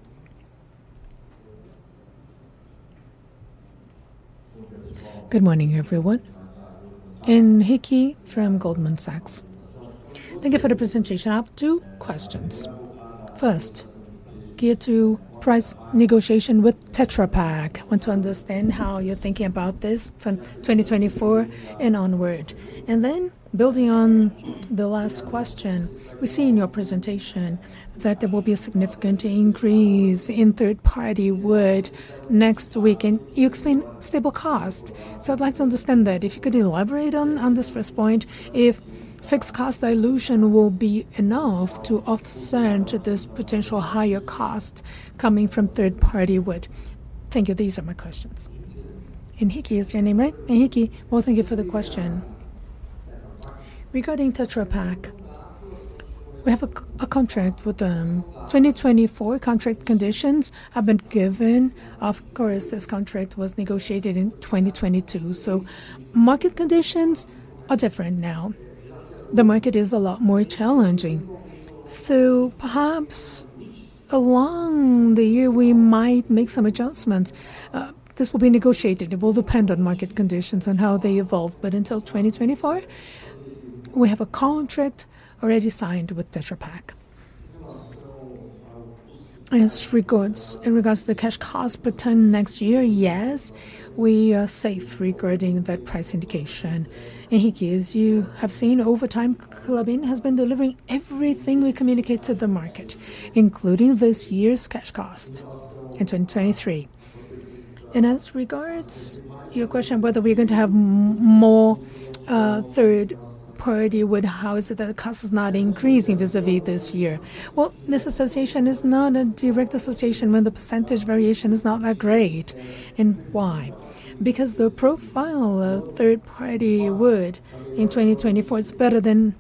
Speaker 4: Good morning, everyone. Enrique from Goldman Sachs.
Speaker 9: Thank you for the presentation. I have two questions. First, regarding price negotiation with Tetra Pak. Want to understand how you're thinking about this from 2024 and onward. And then building on the last question, we see in your presentation that there will be a significant increase in third-party wood next week, and you explained stable cost. So I'd like to understand that. If you could elaborate on this first point, if fixed cost dilution will be enough to offset this potential higher cost coming from third-party wood. Thank you.
Speaker 2: These are my questions. Enrique, is your name right? Enrique, well, thank you for the question. Regarding Tetra Pak, we have a contract with them. 2024 contract conditions have been given. Of course, this contract was negotiated in 2022, so market conditions are different now. The market is a lot more challenging. So perhaps along the year, we might make some adjustments. This will be negotiated. It will depend on market conditions and how they evolve. But until 2024, we have a contract already signed with Tetra Pak. As regards, in regards to the cash cost per ton next year, yes, we are safe regarding that price indication. Enrique, as you have seen, over time, Klabin has been delivering everything we communicate to the market, including this year's cash cost in 2023. And as regards your question whether we're going to have more third-party wood, how is it that the cost is not increasing vis-à-vis this year? Well, this association is not a direct association when the percentage variation is not that great. And why? Because the profile of third-party wood in 2024 is better than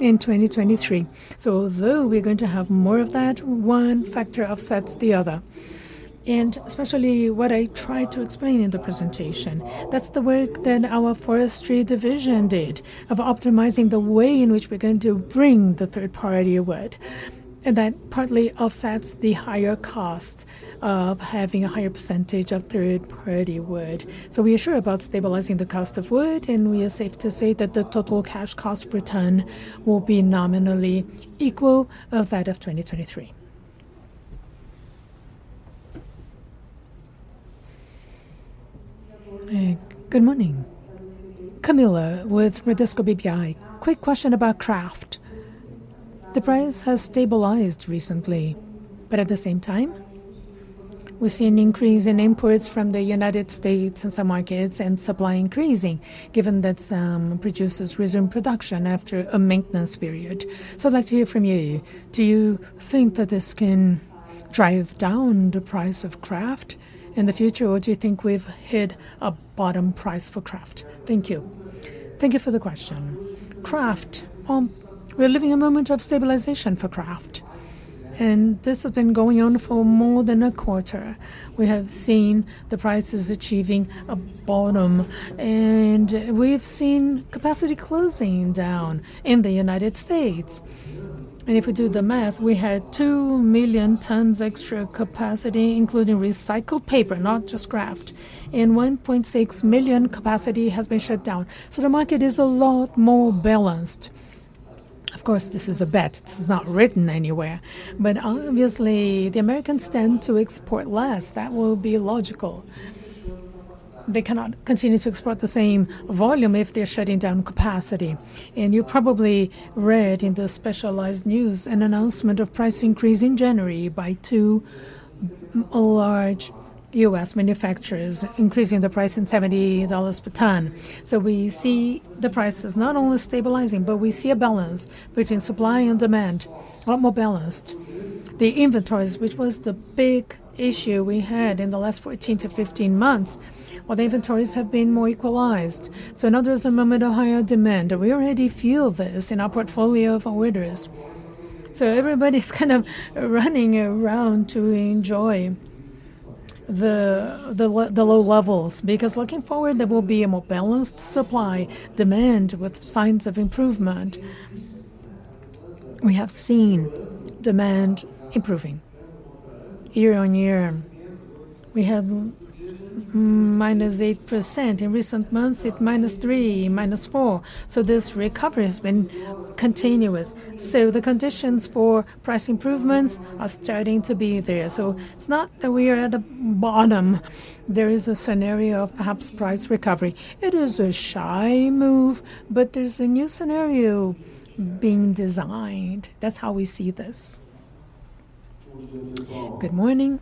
Speaker 2: in 2023. So although we're going to have more of that, one factor offsets the other. And especially what I tried to explain in the presentation, that's the work that our forestry division did of optimizing the way in which we're going to bring the third-party wood, and that partly offsets the higher cost of having a higher percentage of third-party wood. So we are sure about stabilizing the cost of wood, and we are safe to say that the total cash cost per ton will be nominally equal of that of 2023.
Speaker 10: Good morning. Camilla with Bradesco BBI. Quick question about kraft. The price has stabilized recently, but at the same time, we see an increase in imports from the United States and some markets and supply increasing, given that some producers resumed production after a maintenance period. So I'd like to hear from you. Do you think that this can drive down the price of kraft in the future, or do you think we've hit a bottom price for kraft? Thank you.
Speaker 2: Thank you for the question. Kraft, we're living a moment of stabilization for kraft, and this has been going on for more than a quarter. We have seen the prices achieving a bottom, and we've seen capacity closing down in the United States. And if we do the math, we had 2 million tons extra capacity, including recycled paper, not just kraft, and 1.6 million capacity has been shut down. So the market is a lot more balanced. Of course, this is a bet. This is not written anywhere, but obviously, the Americans tend to export less. That will be logical. They cannot continue to export the same volume if they're shutting down capacity. And you probably read in the specialized news an announcement of price increase in January by two large US manufacturers, increasing the price in $70 per ton. So we see the prices not only stabilizing, but we see a balance between supply and demand, a lot more balanced. The inventories, which was the big issue we had in the last 14-15 months, well, the inventories have been more equalized, so now there's a moment of higher demand. We already feel this in our portfolio of orders. So everybody's kind of running around to enjoy the the low levels, because looking forward, there will be a more balanced supply-demand with signs of improvement. We have seen demand improving year-on-year. We have minus 8%. In recent months, it's minus 3%, minus 4%, so this recovery has been continuous. So the conditions for price improvements are starting to be there. So it's not that we are at the bottom. There is a scenario of perhaps price recovery. It is a shy move, but there's a new scenario being designed. That's how we see this. Good morning.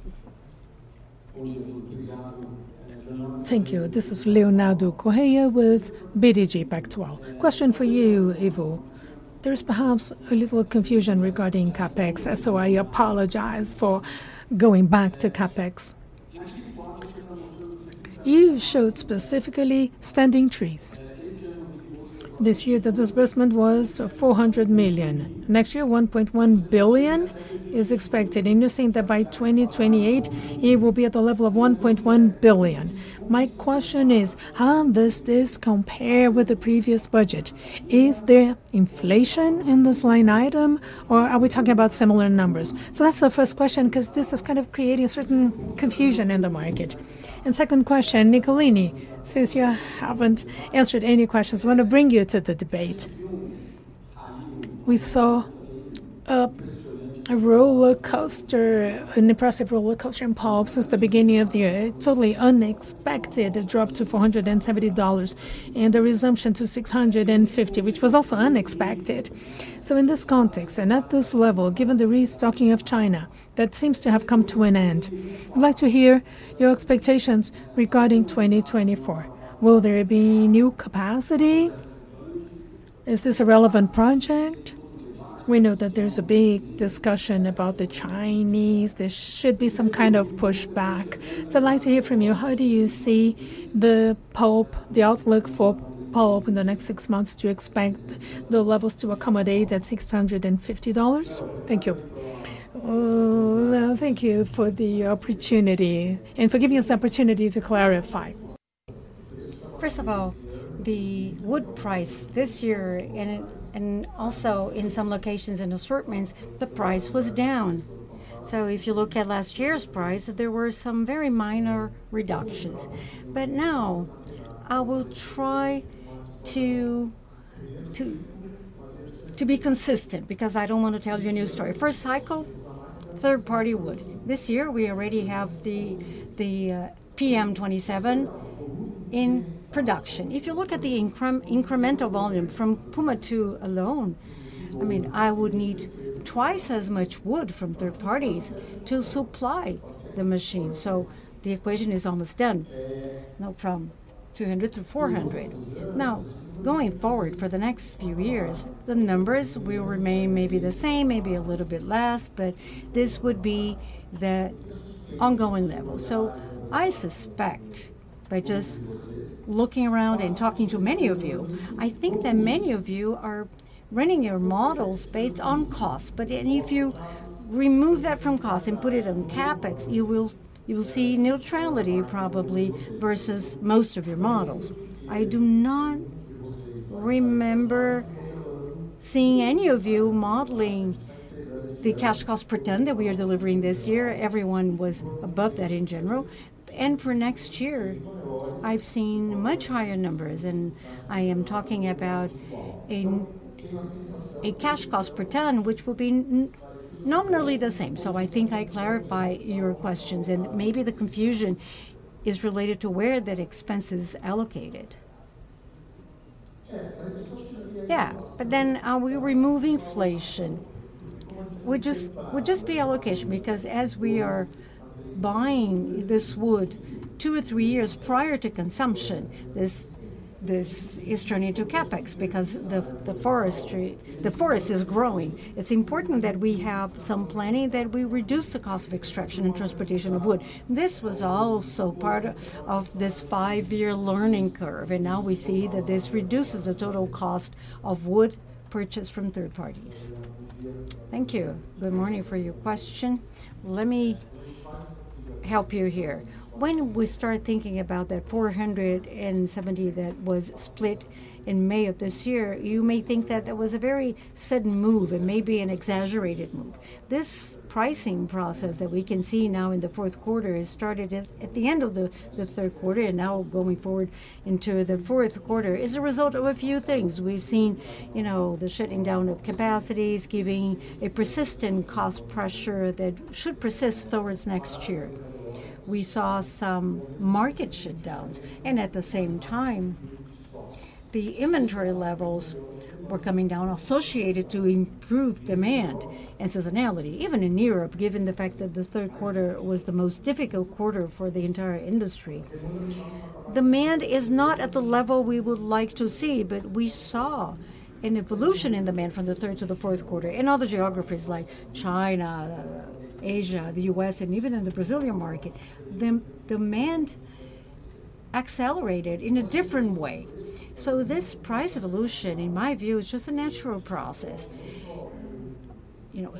Speaker 2: Thank you. This is Leonardo Correa with BTG Pactual. Question for you, Ivo. There is perhaps a little confusion regarding CapEx, so I apologize for going back to CapEx. You showed specifically standing trees. This year, the disbursement was 400 million. Next year, 1.1 billion is expected, and you're saying that by 2028, it will be at the level of 1.1 billion. My question is: How does this compare with the previous budget? Is there inflation in this line item, or are we talking about similar numbers? That's the first question, 'cause this is kind of creating a certain confusion in the market. Second question, Nicolini, since you haven't answered any questions, I want to bring you to the debate.
Speaker 1: We saw a rollercoaster, an impressive rollercoaster in pulp since the beginning of the year. A totally unexpected drop to $470, and a resumption to $650, which was also unexpected. So in this context and at this level, given the restocking of China, that seems to have come to an end, I'd like to hear your expectations regarding 2024. Will there be new capacity? Is this a relevant project? We know that there's a big discussion about the Chinese. There should be some kind of pushback. So I'd like to hear from you, how do you see the pulp, the outlook for pulp in the next six months to expect the levels to accommodate that $650? Thank you. Thank you for the opportunity and for giving us the opportunity to clarify. First of all, the wood price this year, and it and also in some locations and assortments, the price was down. So if you look at last year's price, there were some very minor reductions. But now, I will try to be consistent, because I don't want to tell you a new story. First cycle, third-party wood. This year, we already have PM27 in production. If you look at the incremental volume from Puma II alone, I mean, I would need twice as much wood from third parties to supply the machine. So the equation is almost done, now from 200 to 400. Now, going forward for the next few years, the numbers will remain maybe the same, maybe a little bit less, but this would be the ongoing level. So I suspect, by just looking around and talking to many of you, I think that many of you are running your models based on cost. But, and if you remove that from cost and put it on CapEx, you will, you will see neutrality probably versus most of your models. I do not remember seeing any of you modeling the cash cost per ton that we are delivering this year. Everyone was above that in general. And for next year, I've seen much higher numbers, and I am talking about a, a cash cost per ton, which will be nominally the same. So I think I clarify your questions, and maybe the confusion is related to where that expense is allocated. Yeah, but then we remove inflation, which is-- would just be allocation, because as we are buying this wood two or three years prior to consumption, this, this is turning to CapEx because the, the forestry-- the forest is growing. It's important that we have some planning, that we reduce the cost of extraction and transportation of wood. This was also part of this five-year learning curve, and now we see that this reduces the total cost of wood purchased from third parties. Thank you. Good morning for your question. Let me help you here. When we start thinking about that 470 that was split in May of this year, you may think that that was a very sudden move and maybe an exaggerated move. This pricing process that we can see now in the fourth quarter has started at the end of the third quarter, and now going forward into the fourth quarter, is a result of a few things. We've seen, you know, the shutting down of capacities, giving a persistent cost pressure that should persist towards next year. We saw some market shutdowns, and at the same time, the inventory levels were coming down associated to improved demand and seasonality. Even in Europe, given the fact that the third quarter was the most difficult quarter for the entire industry, demand is not at the level we would like to see, but we saw an evolution in demand from the third to the fourth quarter. In other geographies like China, Asia, the US, and even in the Brazilian market, the demand accelerated in a different way. So this price evolution, in my view, is just a natural process. You know,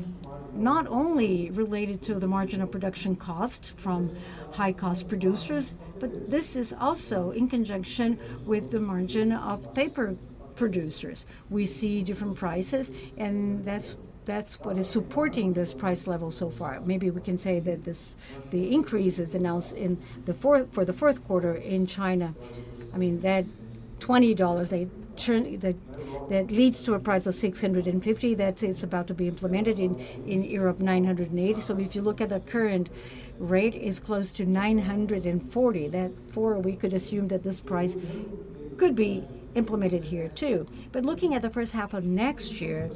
Speaker 1: not only related to the marginal production cost from high-cost producers, but this is also in conjunction with the margin of paper producers. We see different prices, and that's what is supporting this price level so far. Maybe we can say that this... The increases announced for the fourth quarter in China, I mean, that $20, that leads to a price of $650. That's—it's about to be implemented in Europe, $980. So if you look at the current rate, is close to $940. That—we could assume that this price could be implemented here, too. But looking at the first half of next year,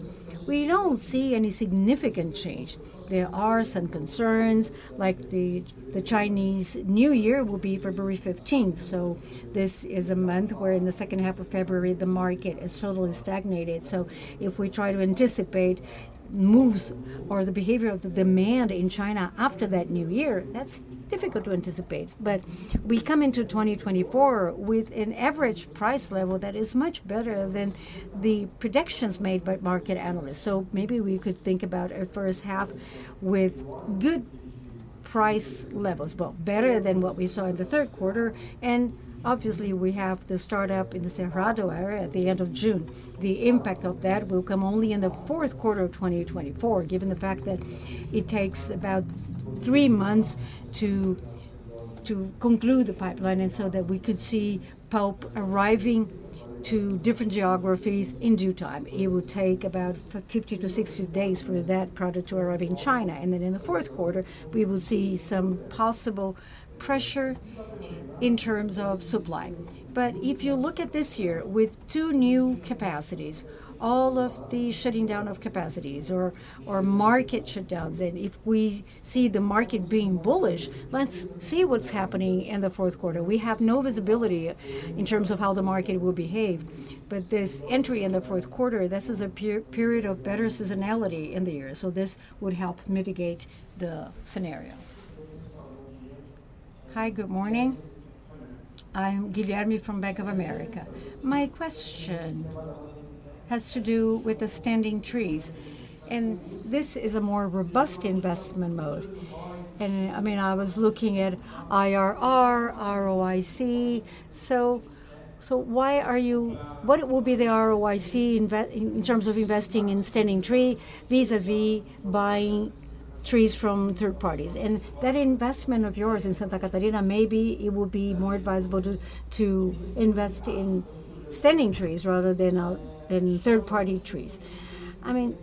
Speaker 1: we don't see any significant change. There are some concerns, like the Chinese New Year will be February 15. So this is a month where in the second half of February, the market is totally stagnated. So if we try to anticipate moves or the behavior of the demand in China after that new year, that's difficult to anticipate. But we come into 2024 with an average price level that is much better than the predictions made by market analysts. So maybe we could think about a first half with good price levels, well, better than what we saw in the third quarter, and obviously, we have the startup in the Cerrado area at the end of June. The impact of that will come only in the fourth quarter of 2024, given the fact that it takes about three months to conclude the pipeline, and so that we could see pulp arriving to different geographies in due time. It will take about 50 to 60 days for that product to arrive in China. And then in the fourth quarter, we will see some possible pressure in terms of supply. But if you look at this year, with two new capacities, all of the shutting down of capacities or, or market shutdowns, and if we see the market being bullish, let's see what's happening in the fourth quarter. We have no visibility in terms of how the market will behave. But this entry in the fourth quarter, this is a period of better seasonality in the year, so this would help mitigate the scenario.
Speaker 11: Hi, good morning. I'm Guilherme from Bank of America. My question has to do with the standing trees, and this is a more robust investment mode. And, I mean, I was looking at IRR, ROIC. So what will be the ROIC in terms of investing in standing tree vis-à-vis buying trees from third parties? And that investment of yours in Santa Catarina, maybe it would be more advisable to invest in standing trees rather than third-party trees. I mean,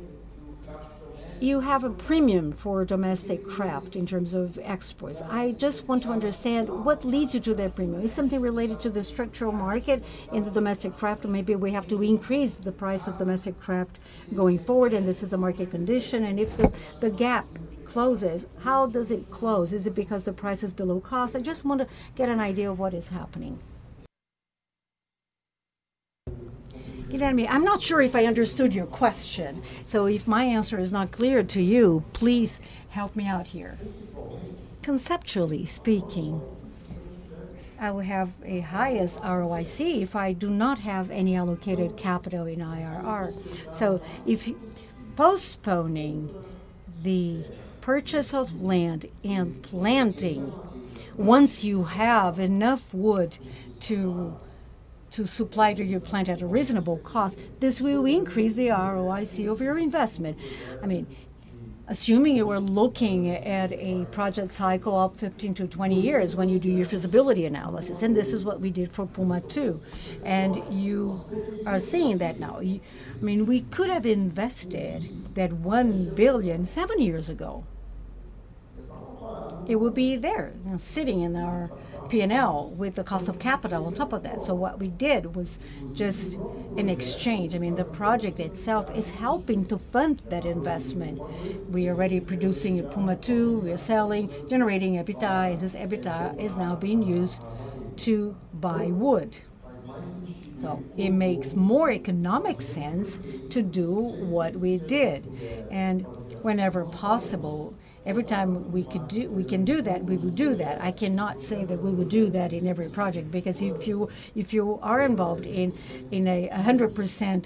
Speaker 11: you have a premium for domestic kraft in terms of exports. I just want to understand, what leads you to that premium? Is something related to the structural market in the domestic kraft, or maybe we have to increase the price of domestic kraft going forward, and this is a market condition? And if the gap closes, how does it close? Is it because the price is below cost? I just want to get an idea of what is happening.
Speaker 1: Guilherme, I'm not sure if I understood your question, so if my answer is not clear to you, please help me out here. Conceptually speaking, I will have a highest ROIC if I do not have any allocated capital in IRR. So if postponing the purchase of land and planting, once you have enough wood to supply to your plant at a reasonable cost, this will increase the ROIC of your investment. I mean, assuming you are looking at a project cycle of 15-20 years when you do your feasibility analysis, and this is what we did for Puma II, and you are seeing that now. I mean, we could have invested that $1 billion seven years ago. It would be there, you know, sitting in our P&L with the cost of capital on top of that. So what we did was just an exchange. I mean, the project itself is helping to fund that investment. We are already producing at Puma II. We are selling, generating EBITDA, and this EBITDA is now being used to buy wood. So it makes more economic sense to do what we did. And whenever possible, every time we could do, we can do that, we will do that. I cannot say that we will do that in every project, because if you are involved in a 100%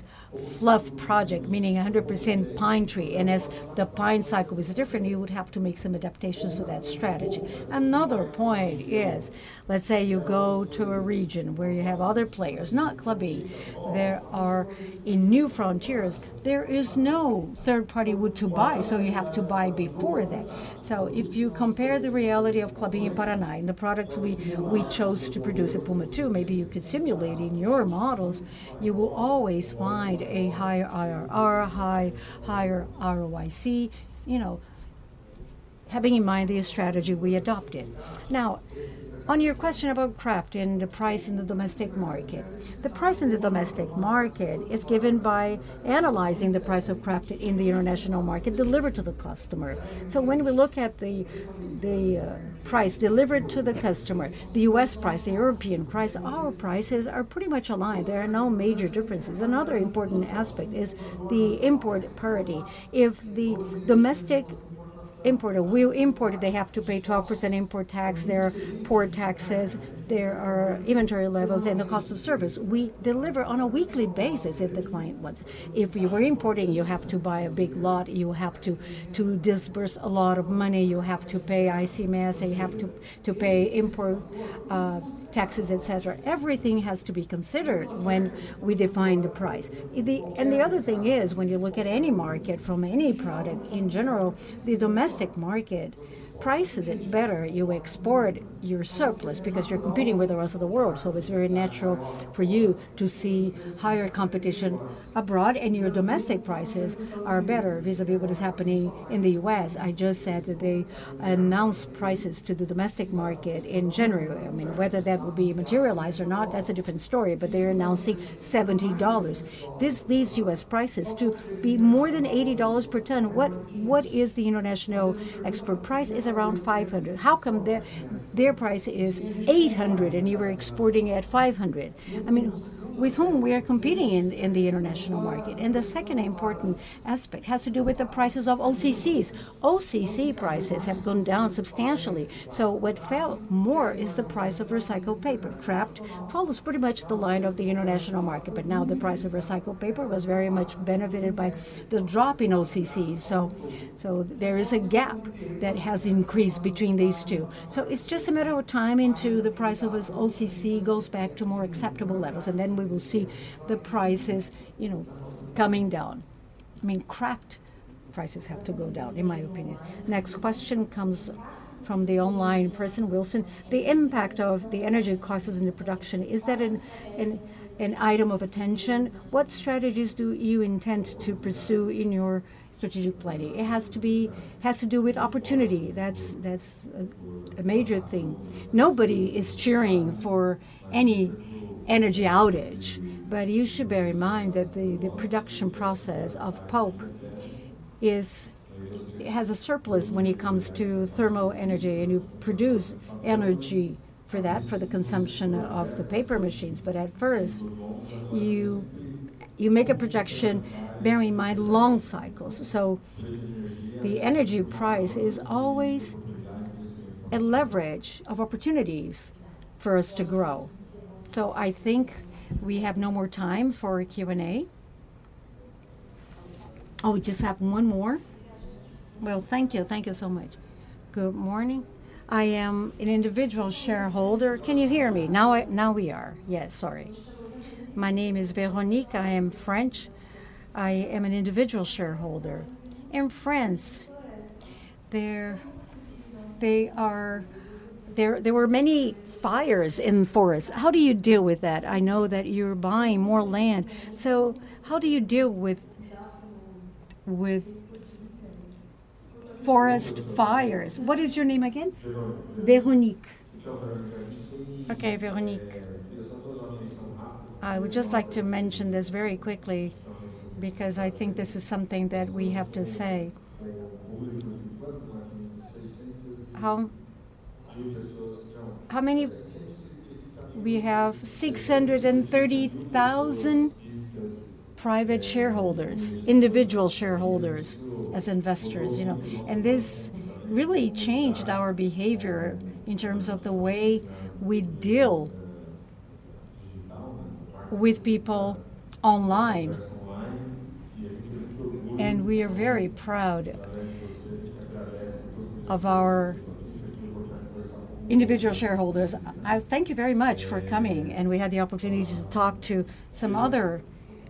Speaker 1: fluff project, meaning a 100% pine tree, and as the pine cycle is different, you would have to make some adaptations to that strategy. Another point is, let's say you go to a region where you have other players, not Klabin. There are... In new frontiers, there is no third-party wood to buy, so you have to buy before that. So if you compare the reality of Klabin Paraná and the products we chose to produce at Puma II, maybe you could simulate in your models, you will always find a higher IRR, higher ROIC, you know, having in mind the strategy we adopted. Now, on your question about kraft and the price in the domestic market, the price in the domestic market is given by analyzing the price of kraft in the international market delivered to the customer. So when we look at the price delivered to the customer, the U.S. price, the European price, our prices are pretty much aligned. There are no major differences. Another important aspect is the import parity. If the domestic importer, we import it, they have to pay 12% import tax. There are port taxes, there are inventory levels and the cost of service. We deliver on a weekly basis if the client wants. If you are importing, you have to buy a big lot, you have to disburse a lot of money, you have to pay ICMS, and you have to pay import taxes, etc. Everything has to be considered when we define the price. The... And the other thing is, when you look at any market from any product, in general, the domestic market prices it better. You export your surplus because you're competing with the rest of the world, so it's very natural for you to see higher competition abroad, and your domestic prices are better vis-à-vis what is happening in the U.S. I just said that they announce prices to the domestic market in January. I mean, whether that will be materialized or not, that's a different story, but they are announcing $70. This leads U.S. prices to be more than $80 per ton. What, what is the international export price? It's around 500. How come their, their price is 800, and you are exporting at 500? I mean, with whom we are competing in, in the international market? And the second important aspect has to do with the prices of OCCs. OCC prices have gone down substantially, so what fell more is the price of recycled paper. Kraft follows pretty much the line of the international market, but now the price of recycled paper was very much benefited by the drop in OCC. So there is a gap that has increased between these two. So it's just a matter of time until the price of this OCC goes back to more acceptable levels, and then we will see the prices, you know, coming down... I mean, kraft prices have to go down, in my opinion.
Speaker 4: Next question comes from the online person, Wilson: "The impact of the energy crisis in the production, is that an item of attention? What strategies do you intend to pursue in your strategic planning?" It has to be. It has to do with opportunity. That's a major thing.
Speaker 1: Nobody is cheering for any energy outage, but you should bear in mind that the production process of pulp is. It has a surplus when it comes to thermal energy, and you produce energy for that, for the consumption of the paper machines. But at first, you make a projection bearing in mind long cycles. So the energy price is always a leverage of opportunities for us to grow.
Speaker 4: So I think we have no more time for Q&A. Oh, we just have one more.
Speaker 12: Well, thank you. Thank you so much. Good morning. I am an individual shareholder. Can you hear me now?
Speaker 1: Now we are. Yes, sorry.
Speaker 12: My name is Véronique. I am French. I am an individual shareholder. In France, there were many fires in forests. How do you deal with that? I know that you're buying more land, so how do you deal with, with forest fires?
Speaker 1: What is your name again?
Speaker 12: Véronique. Véronique.
Speaker 1: Okay, Veronique. I would just like to mention this very quickly, because I think this is something that we have to say. We have 630,000 private shareholders, individual shareholders, as investors, you know, and this really changed our behavior in terms of the way we deal with people online. And we are very proud of our individual shareholders. I thank you very much for coming, and we had the opportunity to talk to some other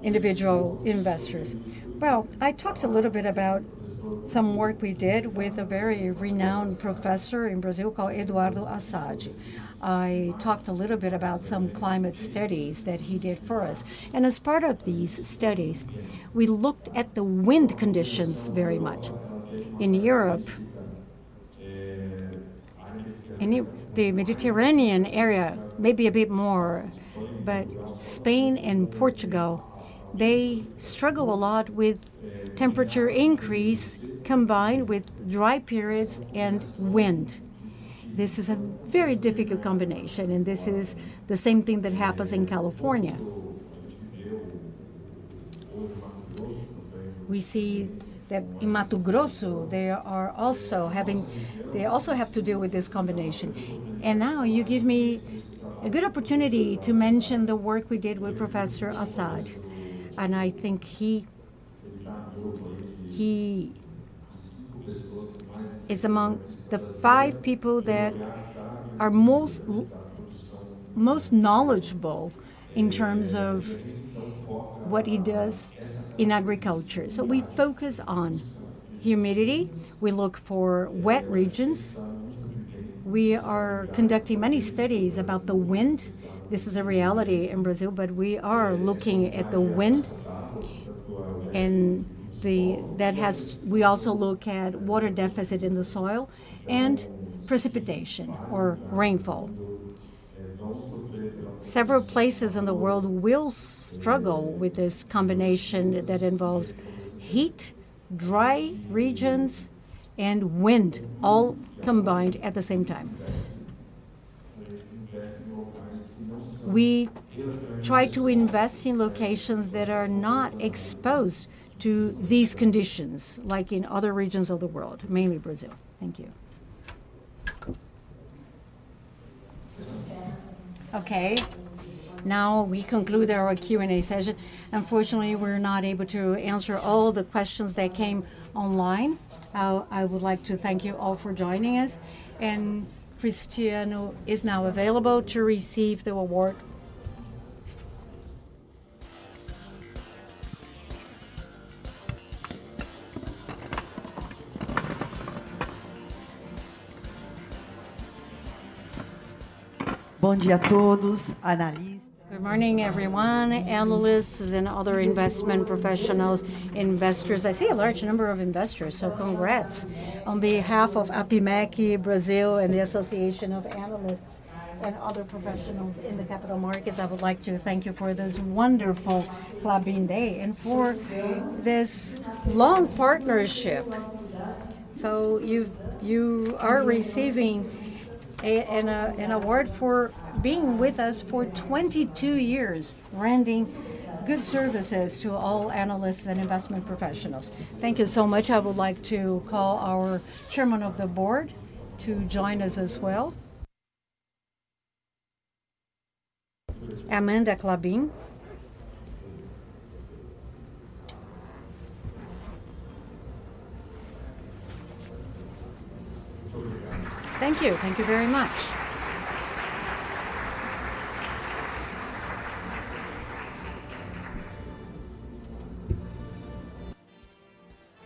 Speaker 1: individual investors. Well, I talked a little bit about some work we did with a very renowned professor in Brazil called Eduardo Assad. I talked a little bit about some climate studies that he did for us, and as part of these studies, we looked at the wind conditions very much. In Europe, in the Mediterranean area, maybe a bit more, but Spain and Portugal, they struggle a lot with temperature increase combined with dry periods and wind. This is a very difficult combination, and this is the same thing that happens in California. We see that in Mato Grosso, they also have to deal with this combination. Now, you give me a good opportunity to mention the work we did with Professor Assad, and I think he is among the five people that are most knowledgeable in terms of what he does in agriculture. So we focus on humidity. We look for wet regions. We are conducting many studies about the wind. This is a reality in Brazil, but we are looking at the wind. We also look at water deficit in the soil and precipitation or rainfall. Several places in the world will struggle with this combination that involves heat, dry regions, and wind all combined at the same time. We try to invest in locations that are not exposed to these conditions, like in other regions of the world, mainly Brazil. Thank you. Okay, now we conclude our Q&A session. Unfortunately, we're not able to answer all the questions that came online. I would like to thank you all for joining us, and Cristiano is now available to receive the award. Good morning, everyone, analysts and other investment professionals, investors. I see a large number of investors, so congrats. On behalf of APIMEC Brasil and the Association of Analysts and other professionals in the capital markets, I would like to thank you for this wonderful Klabin Day and for this long partnership. So you are receiving an award for being with us for 22 years, rendering good services to all analysts and investment professionals. Thank you so much. I would like to call our Chairman of the Board to join us as well. Amanda Klabin.
Speaker 13: Thank you. Thank you very much.